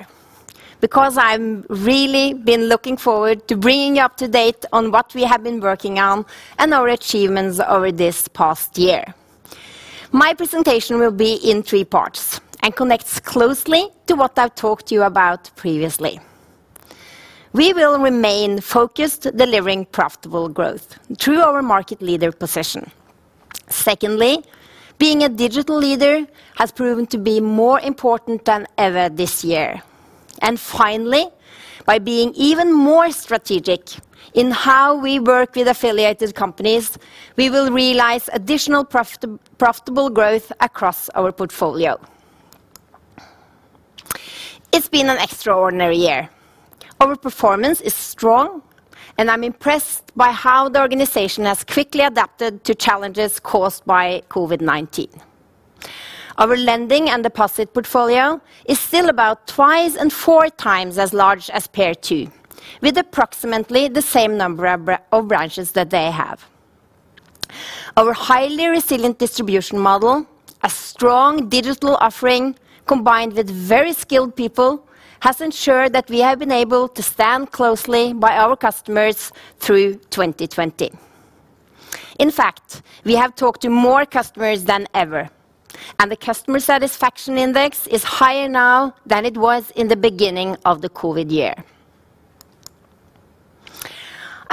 because I'm really been looking forward to bringing you up to date on what we have been working on and our achievements over this past year. My presentation will be in three parts and connects closely to what I've talked to you about previously. We will remain focused, delivering profitable growth through our market leader position. Secondly, being a digital leader has proven to be more important than ever this year. Finally, by being even more strategic in how we work with affiliated companies, we will realize additional profitable growth across our portfolio. It's been an extraordinary year. Our performance is strong, and I'm impressed by how the organization has quickly adapted to challenges caused by COVID-19. Our lending and deposit portfolio is still about twice and four times as large as peer 2, with approximately the same number of branches that they have. Our highly resilient distribution model, a strong digital offering, combined with very skilled people, has ensured that we have been able to stand closely by our customers through 2020. In fact, we have talked to more customers than ever, and the customer satisfaction index is higher now than it was in the beginning of the COVID year.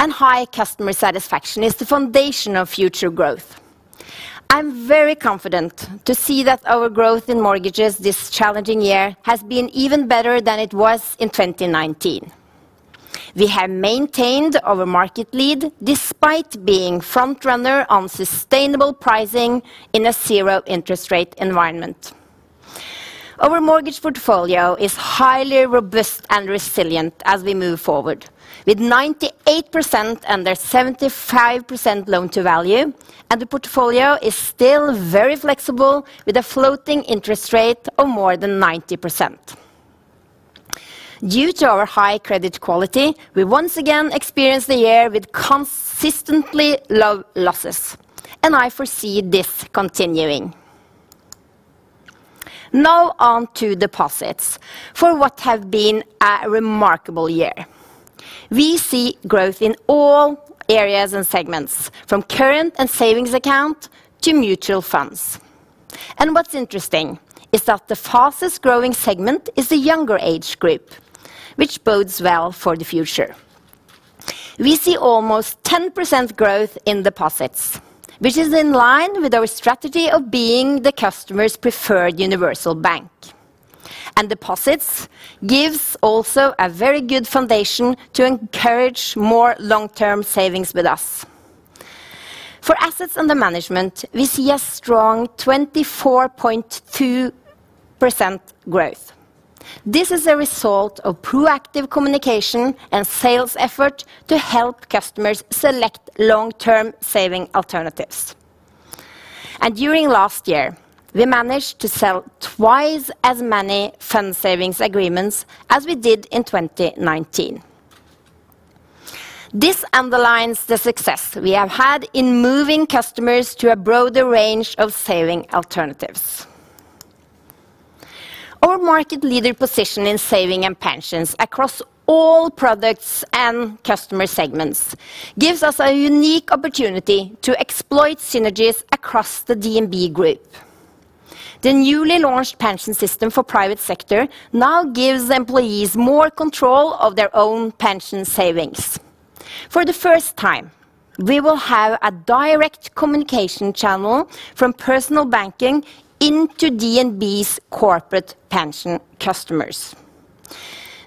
High customer satisfaction is the foundation of future growth. I'm very confident to see that our growth in mortgages this challenging year has been even better than it was in 2019. We have maintained our market lead despite being front-runner on sustainable pricing in a zero-interest rate environment. Our mortgage portfolio is highly robust and resilient as we move forward. With 98% under 75% loan-to-value, the portfolio is still very flexible with a floating interest rate of more than 90%. Due to our high credit quality, we once again experienced a year with consistently low losses, and I foresee this continuing. Now on to deposits, for what have been a remarkable year. We see growth in all areas and segments, from current and savings account to mutual funds. What's interesting is that the fastest growing segment is the younger age group, which bodes well for the future. We see almost 10% growth in deposits, which is in line with our strategy of being the customer's preferred universal bank. Deposits gives also a very good foundation to encourage more long-term savings with us. For assets under management, we see a strong 24.2% growth. This is a result of proactive communication and sales effort to help customers select long-term saving alternatives. During last year, we managed to sell twice as many fund savings agreements as we did in 2019. This underlines the success we have had in moving customers to a broader range of saving alternatives. Our market leader position in saving and pensions across all products and customer segments gives us a unique opportunity to exploit synergies across the DNB Group. The newly launched pension system for private sector now gives employees more control of their own pension savings. For the first time, we will have a direct communication channel from personal banking into DNB's corporate pension customers.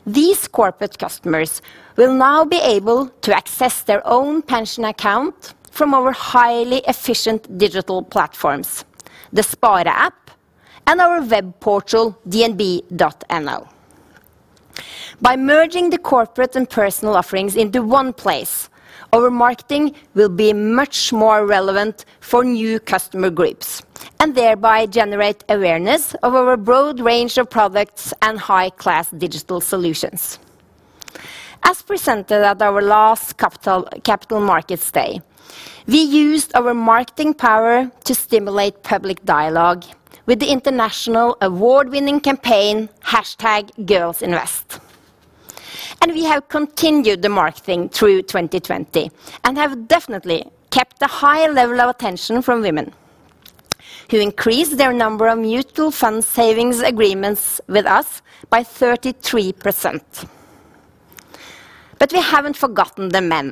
These corporate customers will now be able to access their own pension account from our highly efficient digital platforms, the Spare app and our web portal, dnb.no. By merging the corporate and personal offerings into one place, our marketing will be much more relevant for new customer groups, and thereby generate awareness of our broad range of products and high-class digital solutions. As presented at our last Capital Markets Day, we used our marketing power to stimulate public dialogue with the international award-winning campaign, #GirlsInvest. We have continued the marketing through 2020 and have definitely kept a high level of attention from women, who increased their number of mutual fund savings agreements with us by 33%. We haven't forgotten the men.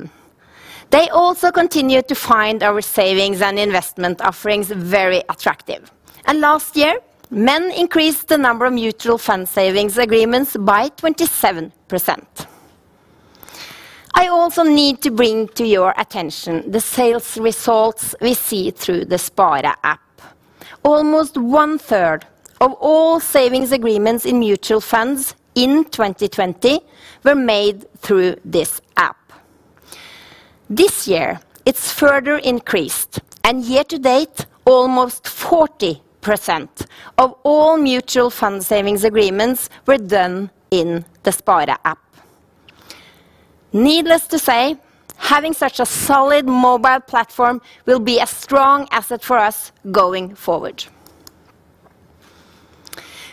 They also continue to find our savings and investment offerings very attractive. Last year, men increased the number of mutual fund savings agreements by 27%. I also need to bring to your attention the sales results we see through the Spare app. Almost one-third of all savings agreements in mutual funds in 2020 were made through the Spare app. This year, it's further increased, and year to date, almost 40% of all mutual fund savings agreements were done in the Spare app. Needless to say, having such a solid mobile platform will be a strong asset for us going forward.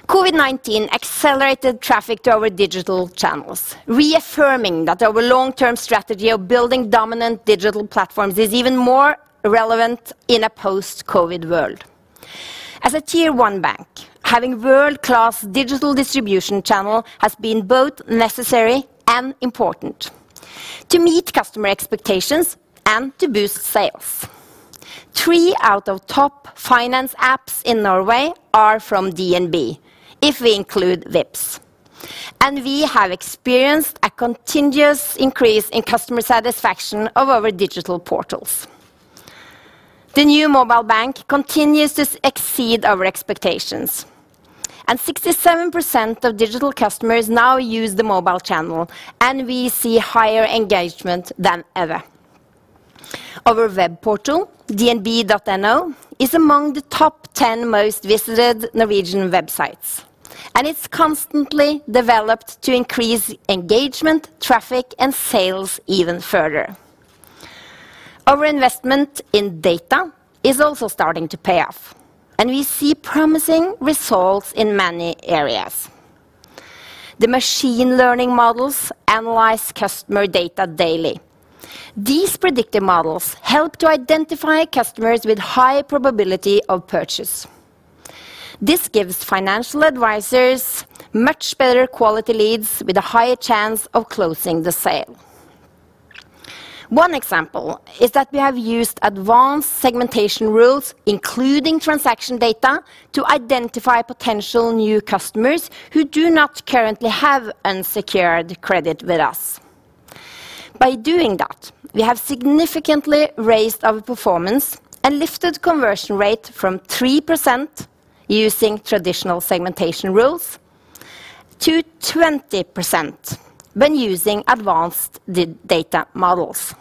COVID-19 accelerated traffic to our digital channels, reaffirming that our long-term strategy of building dominant digital platforms is even more relevant in a post-COVID world. As a Tier 1 bank, having world-class digital distribution channel has been both necessary and important to meet customer expectations and to boost sales. Three out of top finance apps in Norway are from DNB, if we include Vipps. We have experienced a continuous increase in customer satisfaction of our digital portals. The new mobile bank continues to exceed our expectations. 67% of digital customers now use the mobile channel, and we see higher engagement than ever. Our web portal, dnb.no, is among the top 10 most visited Norwegian websites, and it's constantly developed to increase engagement, traffic, and sales even further. Our investment in data is also starting to pay off, and we see promising results in many areas. The machine learning models analyze customer data daily. These predictive models help to identify customers with high probability of purchase. This gives financial advisors much better-quality leads with a higher chance of closing the sale. One example is that we have used advanced segmentation rules, including transaction data, to identify potential new customers who do not currently have unsecured credit with us. By doing that, we have significantly raised our performance and lifted conversion rate from 3% using traditional segmentation rules to 20% when using advanced data models.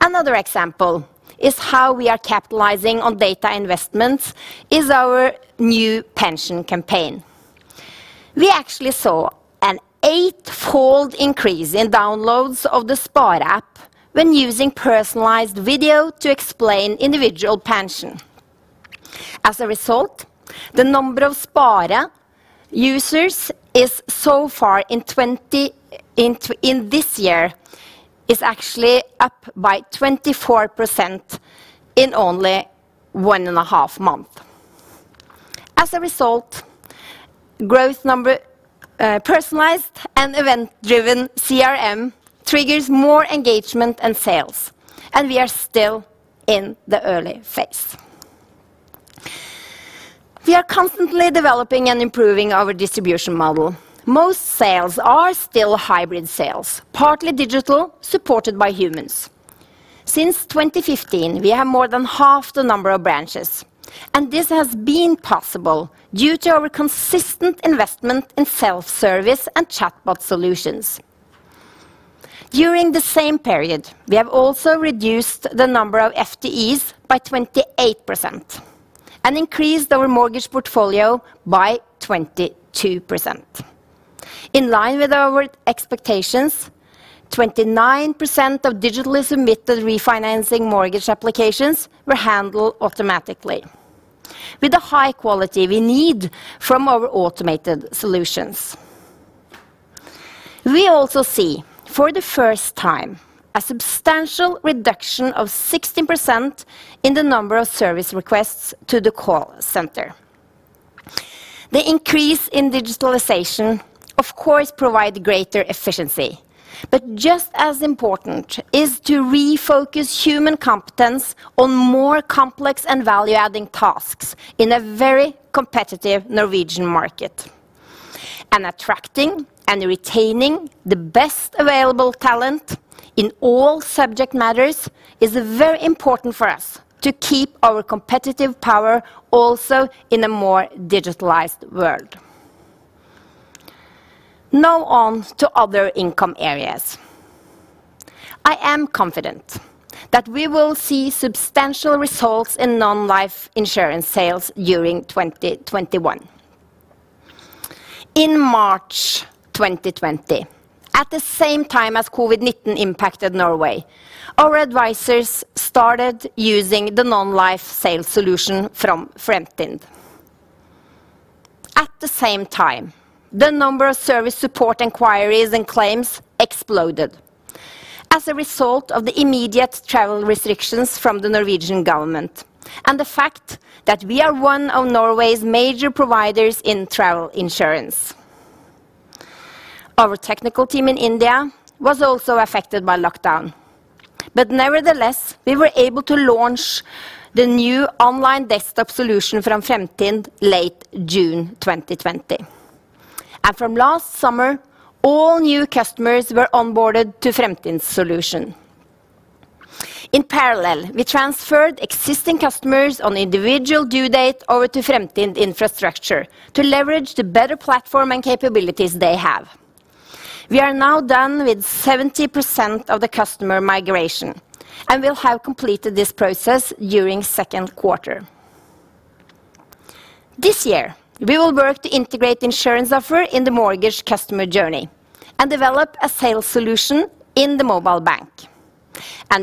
Another example is how we are capitalizing on data investments is our new pension campaign. We actually saw an eightfold increase in downloads of the Spare app when using personalized video to explain individual pension. As a result, the number of Spare users is so far in this year, is actually up by 24% in only one and a half month. As a result, personalized and event-driven CRM triggers more engagement and sales, and we are still in the early phase. We are constantly developing and improving our distribution model. Most sales are still hybrid sales, partly digital, supported by humans. Since 2015, we have more than halved the number of branches, and this has been possible due to our consistent investment in self-service and chatbot solutions. During the same period, we have also reduced the number of FTEs by 28% and increased our mortgage portfolio by 22%. In line with our expectations, 29% of digitally submitted refinancing mortgage applications were handled automatically with the high quality we need from our automated solutions. We also see, for the first time, a substantial reduction of 60% in the number of service requests to the call center. The increase in digitalization, of course, provide greater efficiency, but just as important is to refocus human competence on more complex and value-adding tasks in a very competitive Norwegian market. Attracting and retaining the best available talent in all subject matters is very important for us to keep our competitive power also in a more digitalized world. Now on to other income areas. I am confident that we will see substantial results in non-life insurance sales during 2021. In March 2020, at the same time as COVID-19 impacted Norway, our advisors started using the non-life sales solution from Fremtind. At the same time, the number of service support inquiries and claims exploded as a result of the immediate travel restrictions from the Norwegian government and the fact that we are one of Norway's major providers in travel insurance. Our technical team in India was also affected by lockdown. Nevertheless, we were able to launch the new online desktop solution from Fremtind late June 2020. From last summer, all new customers were onboarded to Fremtind solution. In parallel, we transferred existing customers on individual due date over to Fremtind infrastructure to leverage the better platform and capabilities they have. We are now done with 70% of the customer migration and will have completed this process during second quarter. This year, we will work to integrate insurance offer in the mortgage customer journey and develop a sales solution in the mobile bank.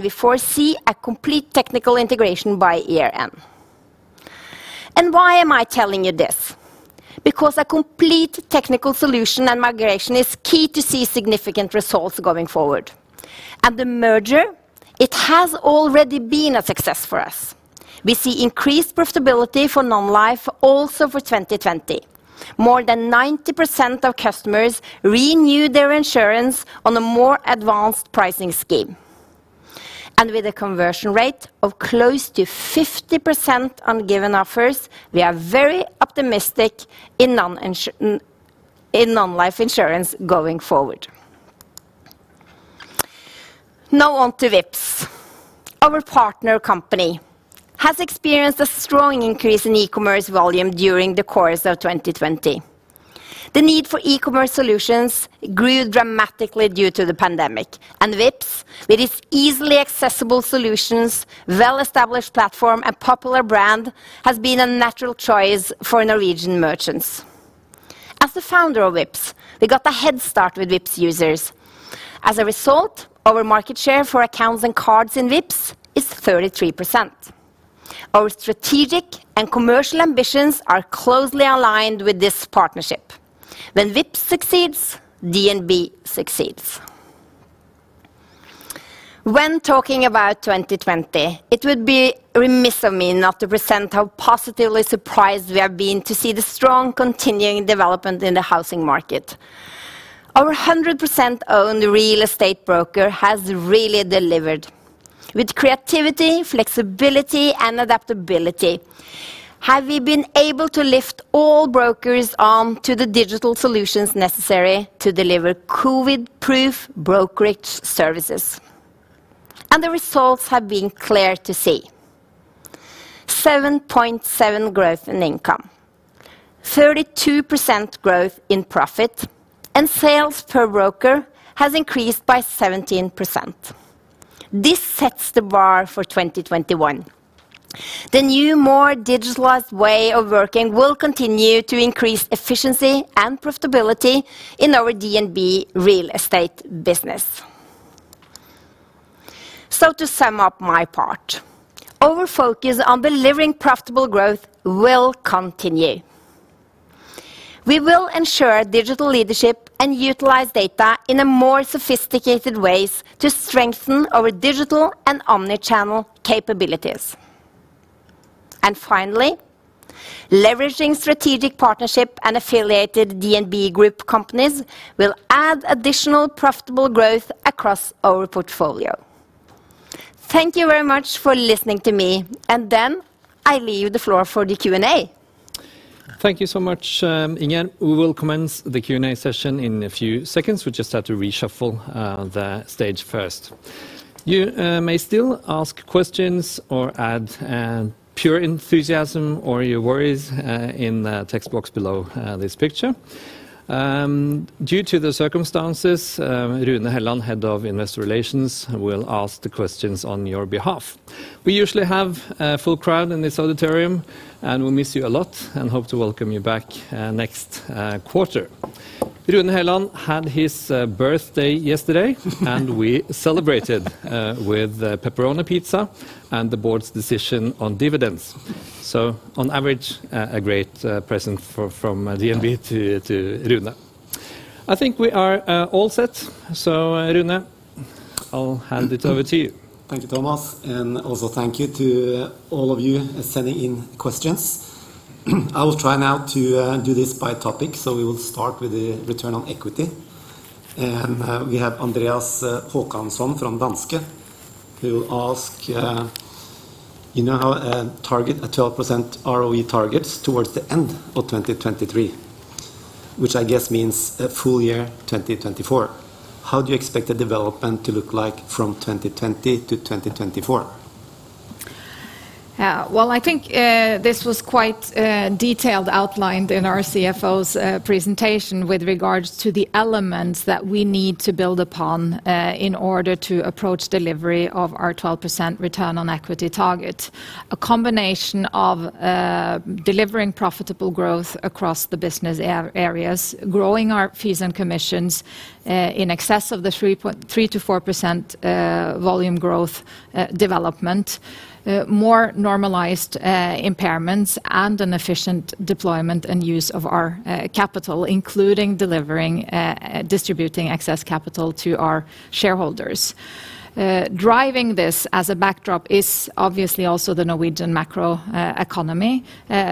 We foresee a complete technical integration by year-end. Why am I telling you this? A complete technical solution and migration is key to see significant results going forward. The merger, it has already been a success for us. We see increased profitability for non-life also for 2020. More than 90% of customers renew their insurance on a more advanced pricing scheme. With a conversion rate of close to 50% on given offers, we are very optimistic in non-life insurance going forward. Now on to Vipps. Our partner company has experienced a strong increase in e-commerce volume during the course of 2020. The need for e-commerce solutions grew dramatically due to the pandemic, and Vipps, with its easily accessible solutions, well-established platform, and popular brand, has been a natural choice for Norwegian merchants. As the founder of Vipps, we got a head start with Vipps users. As a result, our market share for accounts and cards in Vipps is 33%. Our strategic and commercial ambitions are closely aligned with this partnership. When Vipps succeeds, DNB succeeds. When talking about 2020, it would be remiss of me not to present how positively surprised we have been to see the strong continuing development in the housing market. Our 100% owned real estate broker has really delivered. With creativity, flexibility, and adaptability have we been able to lift all brokers on to the digital solutions necessary to deliver COVID proof brokerage services. The results have been clear to see. 7.7% growth in income, 32% growth in profit, and sales per broker has increased by 17%. This sets the bar for 2021. The new, more digitalized way of working will continue to increase efficiency and profitability in our DNB real estate business. To sum up my part, our focus on delivering profitable growth will continue. We will ensure digital leadership and utilize data in more sophisticated ways to strengthen our digital and omni-channel capabilities. Finally, leveraging strategic partnership and affiliated DNB Group companies will add additional profitable growth across our portfolio. Thank you very much for listening to me, and then I leave the floor for the Q&A. Thank you so much, Ingjerd. We will commence the Q&A session in a few seconds. We just have to reshuffle the stage first. You may still ask questions or add pure enthusiasm or your worries in the text box below this picture. Due to the circumstances, Rune Helland, Head of Investor Relations, will ask the questions on your behalf. We usually have a full crowd in this auditorium, and we miss you a lot and hope to welcome you back next quarter. Rune Helland had his birthday yesterday. We celebrated with a pepperoni pizza and the board's decision on dividends. On average, a great present from DNB to Rune. I think we are all set. Rune, I'll hand it over to you. Thank you, Thomas, and also thank you to all of you sending in questions. I will try now to do this by topic, so we will start with the return on equity. We have Andreas Hakansson from Danske who ask, you now have a target, a 12% ROE targets towards the end of 2023, which I guess means a full year 2024. How do you expect the development to look like from 2020-2024? Well, I think this was quite detailed outlined in our CFO’s presentation with regards to the elements that we need to build upon in order to approach delivery of our 12% return on equity target. A combination of delivering profitable growth across the business areas, growing our fees and commissions, in excess of the 3%-4%, volume growth development, more normalized impairments, and an efficient deployment and use of our capital, including delivering, distributing excess capital to our shareholders. Driving this as a backdrop is obviously also the Norwegian macro economy,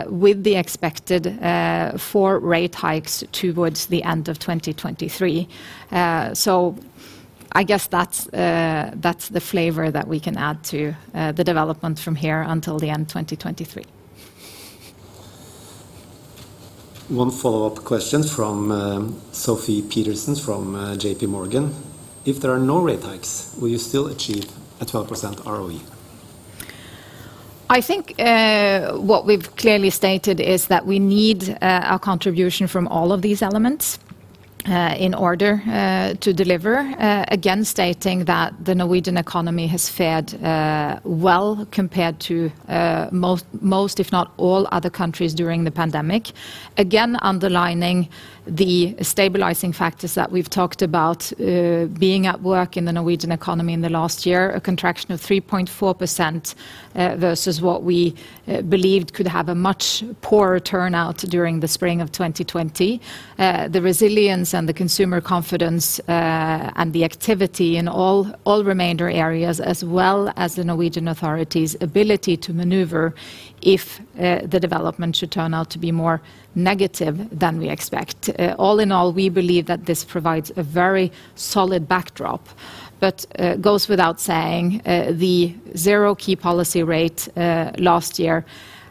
with the expected four rate hikes towards the end of 2023. I guess that’s the flavor that we can add to the development from here until the end 2023. One follow-up question from Sofie Peterzens from JPMorgan. If there are no rate hikes, will you still achieve a 12% ROE? I think what we've clearly stated is that we need a contribution from all of these elements in order to deliver. Again, stating that the Norwegian economy has fared well compared to most, if not all, other countries during the pandemic. Again, underlining the stabilizing factors that we've talked about being at work in the Norwegian economy in the last year, a contraction of 3.4% versus what we Believed could have a much poorer turnout during the spring of 2020. The resilience and the consumer confidence, and the activity in all remainder areas, as well as the Norwegian authorities' ability to maneuver if the development should turn out to be more negative than we expect. All in all, we believe that this provides a very solid backdrop, but it goes without saying, the zero key policy rate last year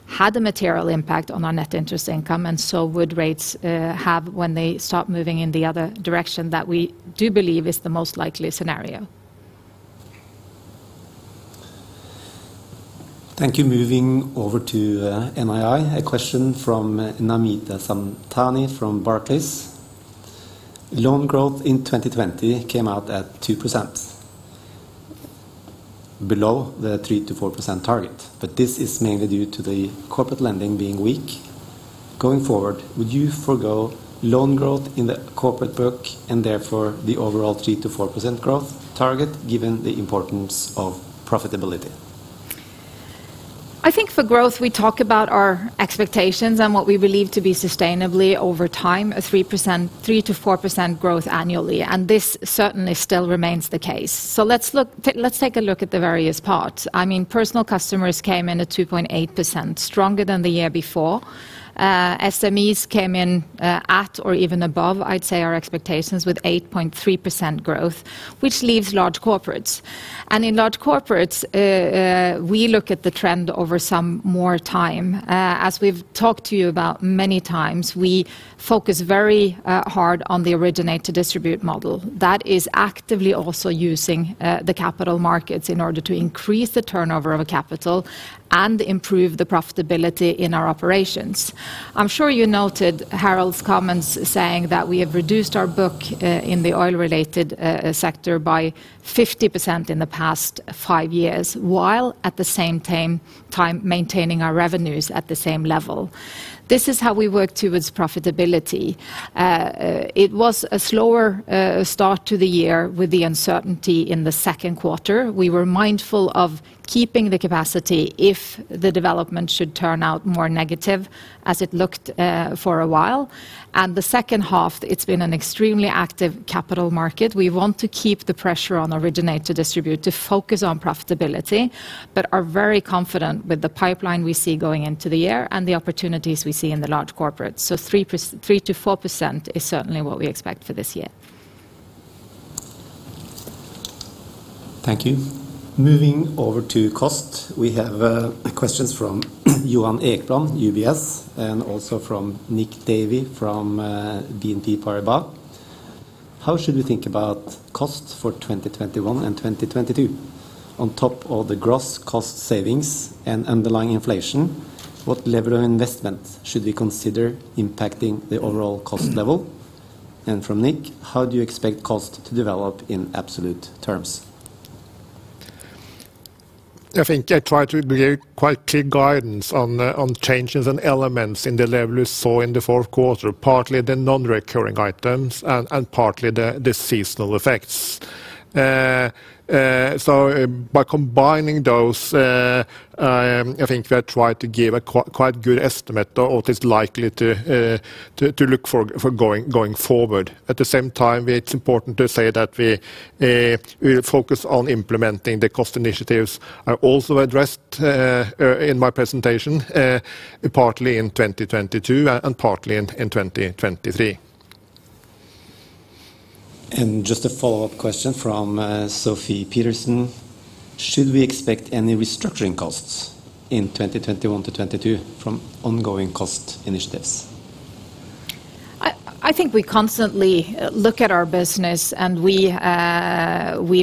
had a material impact on our net interest income and so would rates have when they start moving in the other direction that we do believe is the most likely scenario. Thank you. Moving over to NII, a question from Namita Samtani from Barclays. Loan growth in 2020 came out at 2% below the 3%-4% target. This is mainly due to the corporate lending being weak. Going forward, would you forgo loan growth in the corporate book and therefore the overall 3%-4% growth target given the importance of profitability? I think for growth, we talk about our expectations and what we believe to be sustainable over time, a 3%-4% growth annually. This certainly still remains the case. Let's take a look at the various parts. Personal customers came in at 2.8%, stronger than the year before. SMEs came in at or even above, I'd say, our expectations with 8.3% growth, which leaves large corporates. In large corporates, we look at the trend over some more time. As we've talked to you about many times, we focus very hard on the originate-to-distribute model. That is actively also using the capital markets in order to increase the turnover of a capital and improve the profitability in our operations. I'm sure you noted Harald's comments saying that we have reduced our book in the oil related sector by 50% in the past five years, while at the same time maintaining our revenues at the same level. This is how we work towards profitability. It was a slower start to the year with the uncertainty in the second quarter. We were mindful of keeping the capacity if the development should turn out more negative as it looked for a while. The second half, it's been an extremely active capital market. We want to keep the pressure on originate-to-distribute to focus on profitability but are very confident with the pipeline we see going into the year and the opportunities we see in the large corporates. 3%-4% is certainly what we expect for this year. Thank you. Moving over to cost, we have questions from Johan Ekblom, UBS, and also from Nick Davey from BNP Paribas. How should we think about cost for 2021 and 2022? On top of the gross cost savings and underlying inflation, what level of investment should we consider impacting the overall cost level? From Nick, how do you expect cost to develop in absolute terms? I think I try to give quite clear guidance on changes and elements in the level you saw in the fourth quarter, partly the non-recurring items and partly the seasonal effects. By combining those, I think we are trying to give a quite good estimate of what is likely to look for going forward. At the same time, it's important to say that we focus on implementing the cost initiatives are also addressed in my presentation, partly in 2022 and partly in 2023. Just a follow-up question from Sofie Peterzens. Should we expect any restructuring costs in 2021-2022 from ongoing cost initiatives? I think we constantly look at our business, and we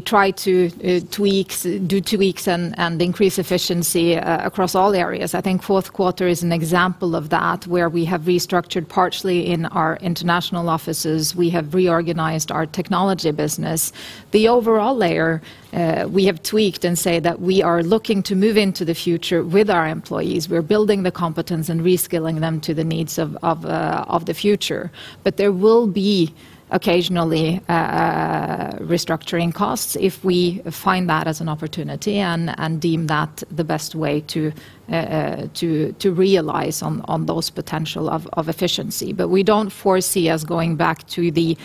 try to do tweaks and increase efficiency across all areas. I think fourth quarter is an example of that, where we have restructured partially in our international offices. We have reorganized our technology business. The overall layer we have tweaked and say that we are looking to move into the future with our employees. We're building the competence and reskilling them to the needs of the future. There will be occasionally restructuring costs if we find that as an opportunity and deem that the best way to realize on those potential of efficiency. We don't foresee us going back to the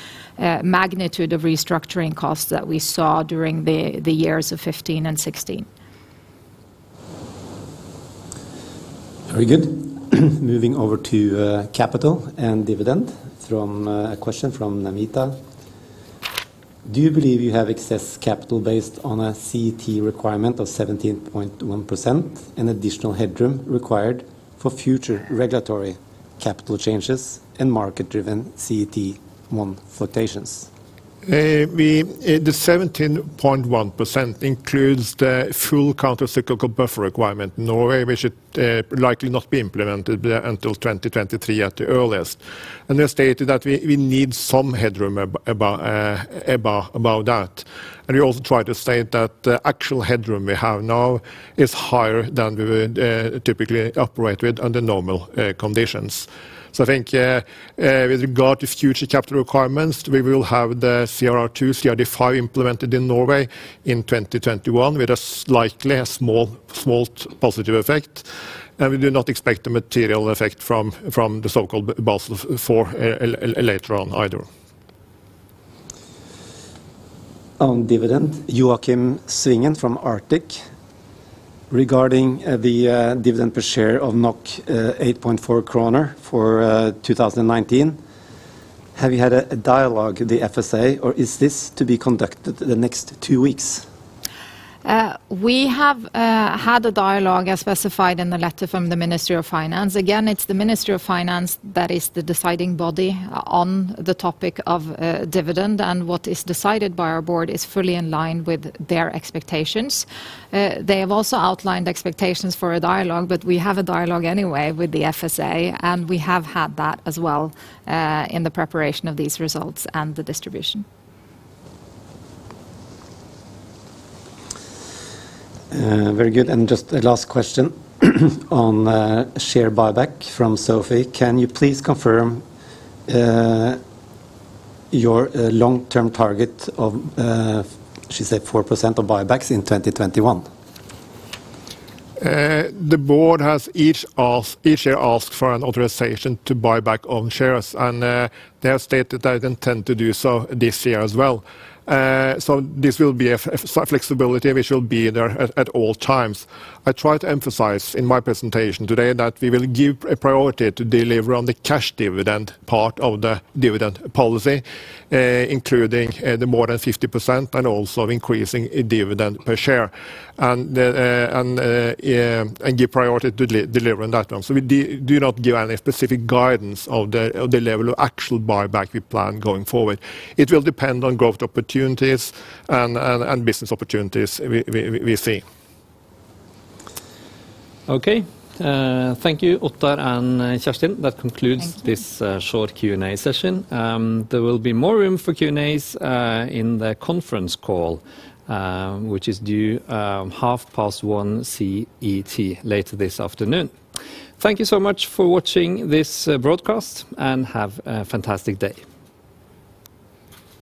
magnitude of restructuring costs that we saw during the years of 2015 and 2016. Very good. Moving over to capital and dividend from a question from Namita. Do you believe you have excess capital based on a CET1 requirement of 17.1% and additional headroom required for future regulatory capital changes and market driven CET1 flotations? The 17.1% includes the full countercyclical buffer requirement. Norway, we should likely not be implemented until 2023 at the earliest. They stated that we need some headroom above that. We also try to state that the actual headroom we have now is higher than we would typically operate with under normal conditions. I think with regard to future capital requirements, we will have the CRR2, CRD5 implemented in Norway in 2021 with a slightly small positive effect. We do not expect a material effect from the so-called Basel IV later on either. On dividend, Joakim Svingen from Arctic. Regarding the dividend per share of 8.4 kroner for 2019, have you had a dialogue with the FSA, or is this to be conducted the next two weeks? We have had a dialogue as specified in the letter from the Ministry of Finance. It's the Ministry of Finance that is the deciding body on the topic of dividend, and what is decided by our board is fully in line with their expectations. They have also outlined expectations for a dialogue, but we have a dialogue anyway with the FSA, and we have had that as well in the preparation of these results and the distribution. Just a last question on share buyback from Sofie: Can you please confirm your long-term target of, she said, 4% of buybacks in 2021? The board has each year asked for an authorization to buy back own shares, and they have stated they intend to do so this year as well. This will be a flexibility which will be there at all times. I tried to emphasize in my presentation today that we will give a priority to deliver on the cash dividend part of the dividend policy, including the more than 50% and also increasing dividend per share, and give priority to delivering that one. We do not give any specific guidance of the level of actual buyback we plan going forward. It will depend on growth opportunities and business opportunities we see. Okay. Thank you, Ottar and Kjerstin. Thank you. That concludes this short Q&A session. There will be more room for Q&As in the conference call, which is due 1:30 P.M. CET later this afternoon. Thank you so much for watching this broadcast and have a fantastic day.